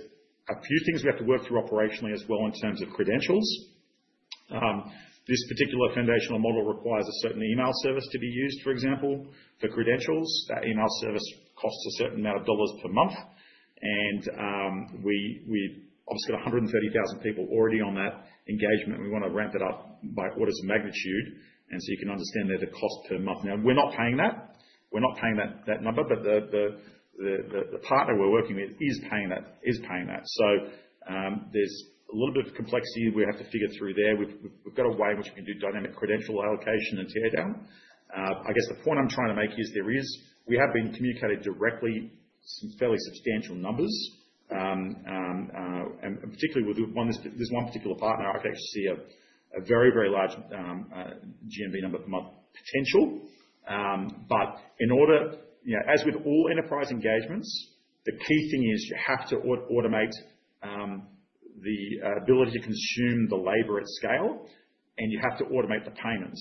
[SPEAKER 1] a few things we have to work through operationally as well in terms of credentials. This particular foundational model requires a certain email service to be used, for example, for credentials. That email service costs a certain amount of dollars per month. We obviously got 130,000 people already on that engagement. We want to ramp it up by orders of magnitude. You can understand there's a cost per month. Now, we're not paying that. We're not paying that number, but the partner we're working with is paying that. There is a little bit of complexity we have to figure through there. We've got a way in which we can do dynamic credential allocation and tear down. I guess the point I'm trying to make is there is we have been communicated directly some fairly substantial numbers. Particularly with one, there's one particular partner. I could actually see a very, very large GMV number per month potential. In order, as with all enterprise engagements, the key thing is you have to automate the ability to consume the labor at scale, and you have to automate the payments.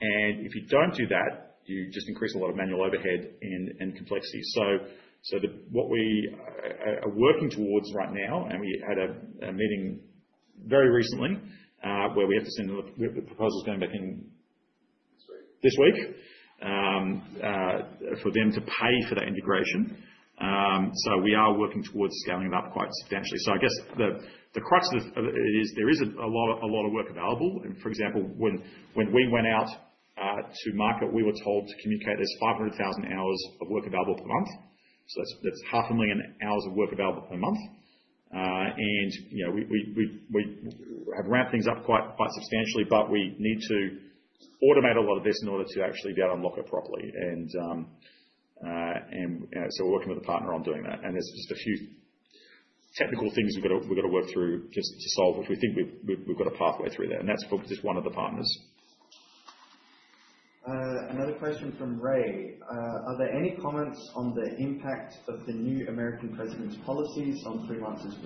[SPEAKER 1] If you do not do that, you just increase a lot of manual overhead and complexity. What we are working towards right now, and we had a meeting very recently where we have to send the proposal, is going back in this week for them to pay for that integration. We are working towards scaling it up quite substantially. I guess the crux of it is there is a lot of work available. For example, when we went out to market, we were told to communicate there is 500,000 hours of work available per month. That is 500,000 hours of work available per month. We have ramped things up quite substantially, but we need to automate a lot of this in order to actually be able to unlock it properly. We are working with a partner on doing that. There are just a few technical things we've got to work through just to solve, which we think we've got a pathway through there. That is just one of the partners.
[SPEAKER 2] Another question from Ray. Are there any comments on the impact of the new American president's policies on Freelancer's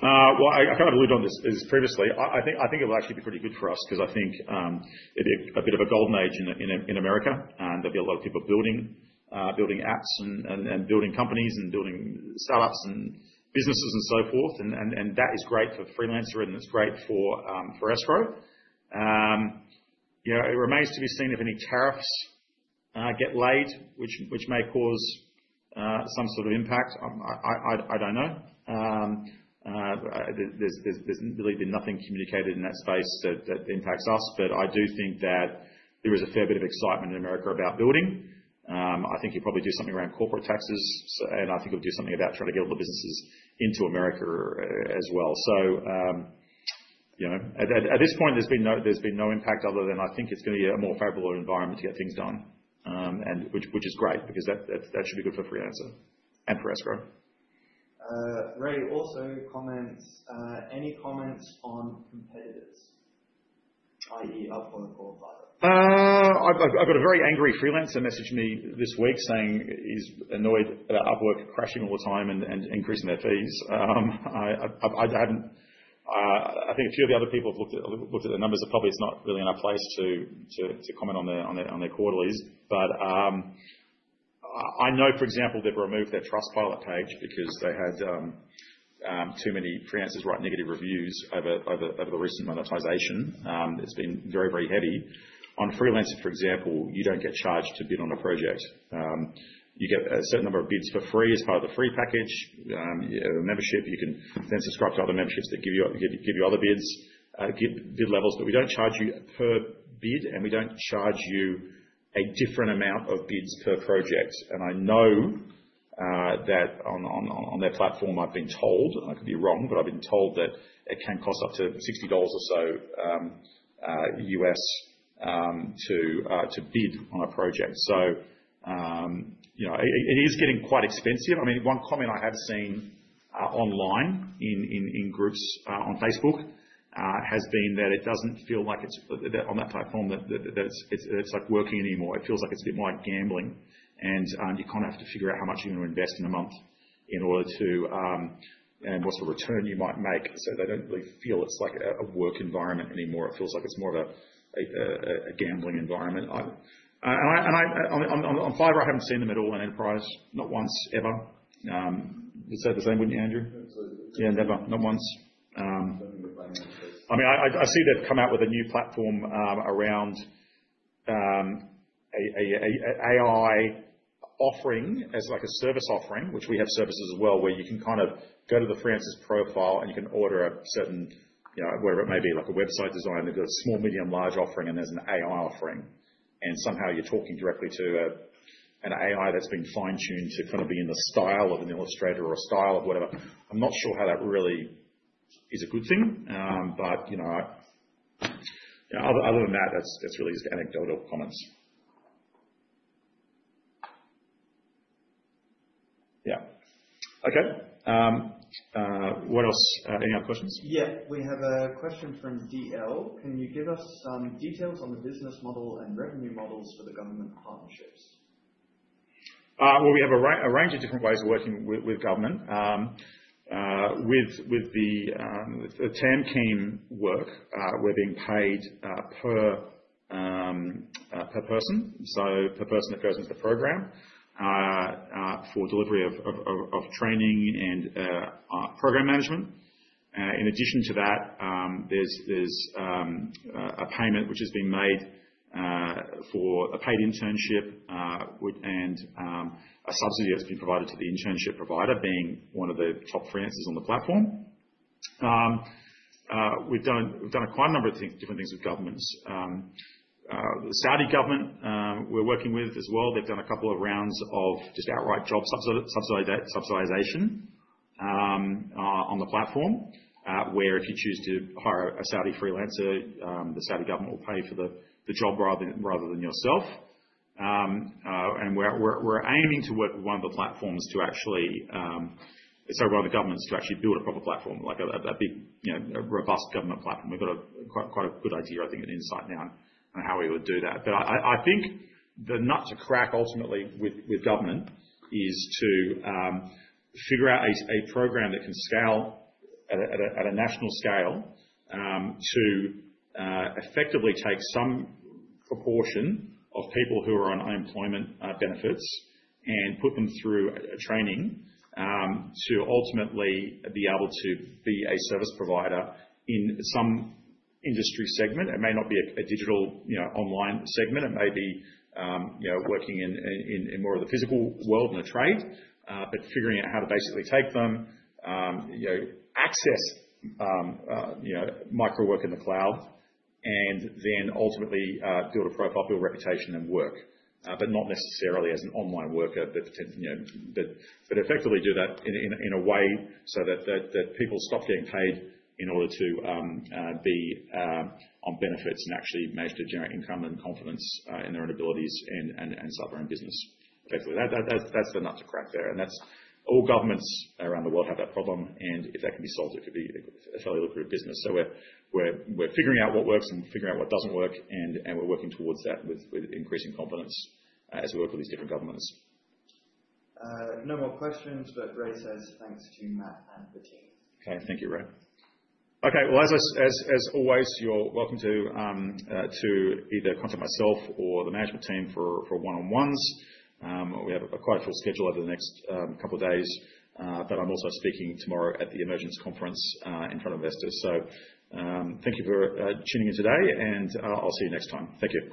[SPEAKER 2] business?
[SPEAKER 1] I kind of alluded on this previously. I think it'll actually be pretty good for us because I think it'd be a bit of a golden age in America. There'll be a lot of people building apps and building companies and building startups and businesses and so forth. That is great for freelancers, and it's great for escrow. It remains to be seen if any tariffs get laid, which may cause some sort of impact. I don't know. There's really been nothing communicated in that space that impacts us. I do think that there is a fair bit of excitement in America about building. I think he'll probably do something around corporate taxes, and I think he'll do something about trying to get all the businesses into America as well. At this point, there's been no impact other than I think it's going to be a more favorable environment to get things done, which is great because that should be good for freelancers and for escrow.
[SPEAKER 2] Ray also comments, any comments on competitors, i.e., Upwork or Fiverr?
[SPEAKER 1] I've got a very angry freelancer messaged me this week saying he's annoyed about Upwork crashing all the time and increasing their fees. I think a few of the other people have looked at the numbers. Probably it's not really in our place to comment on their quarterlies. I know, for example, they've removed their Trustpilot page because they had too many freelancers write negative reviews over the recent monetization. It's been very, very heavy. On freelancing, for example, you don't get charged to bid on a project. You get a certain number of bids for free as part of the free package, a membership. You can then subscribe to other memberships that give you other bid levels. We don't charge you per bid, and we don't charge you a different amount of bids per project. I know that on their platform, I've been told, and I could be wrong, but I've been told that it can cost up to $60 or so US to bid on a project. It is getting quite expensive. I mean, one comment I have seen online in groups on Facebook has been that it does not feel like it is on that platform that it is like working anymore. It feels like it is a bit more like gambling. You kind of have to figure out how much you are going to invest in a month in order to and what is the return you might make. They do not really feel it is like a work environment anymore. It feels like it is more of a gambling environment. On Viber, I have not seen them at all in enterprise, not once ever. You would say the same, would not you, Andrew?
[SPEAKER 3] Absolutely. Yeah, never. Not once.I mean, I see they've come out with a new platform around an AI offering as a service offering, which we have services as well where you can kind of go to the freelancer's profile and you can order a certain whatever it may be, like a website design. They've got a small, medium, large offering, and there's an AI offering. Somehow you're talking directly to an AI that's been fine-tuned to kind of be in the style of an illustrator or a style of whatever. I'm not sure how that really is a good thing. Other than that, that's really just anecdotal comments.
[SPEAKER 1] Yeah. Okay. What else? Any other questions?
[SPEAKER 2] Yeah. We have a question from DL. Can you give us some details on the business model and revenue models for the government partnerships?
[SPEAKER 1] We have a range of different ways of working with government. With the TAMKEEN work, we're being paid per person. So per person that goes into the program for delivery of training and program management. In addition to that, there's a payment which has been made for a paid internship and a subsidy that's been provided to the internship provider being one of the top freelancers on the platform. We've done quite a number of different things with governments. The Saudi government we're working with as well, they've done a couple of rounds of just outright job subsidization on the platform where if you choose to hire a Saudi freelancer, the Saudi government will pay for the job rather than yourself. We're aiming to work with one of the governments to actually build a proper platform, like a big, robust government platform. We've got quite a good idea, I think, and insight now on how we would do that. I think the nut to crack ultimately with government is to figure out a program that can scale at a national scale to effectively take some proportion of people who are on unemployment benefits and put them through training to ultimately be able to be a service provider in some industry segment. It may not be a digital online segment. It may be working in more of the physical world in a trade, but figuring out how to basically take them, access microwork in the cloud, and then ultimately build a profile, build reputation, and work. Not necessarily as an online worker, but effectively do that in a way so that people stop getting paid in order to be on benefits and actually manage to generate income and confidence in their own abilities and start their own business. Basically, that's the nut to crack there. All governments around the world have that problem. If that can be solved, it could be a fairly lucrative business. We are figuring out what works and figuring out what does not work. We are working towards that with increasing confidence as we work with these different governments.
[SPEAKER 2] No more questions. Ray says thanks to Matt and the team.
[SPEAKER 1] Thank you, Ray. As always, you are welcome to either contact myself or the management team for one-on-ones. We have quite a full schedule over the next couple of days. I'm also speaking tomorrow at the Emergence Conference in front of investors. Thank you for tuning in today, and I'll see you next time. Thank you.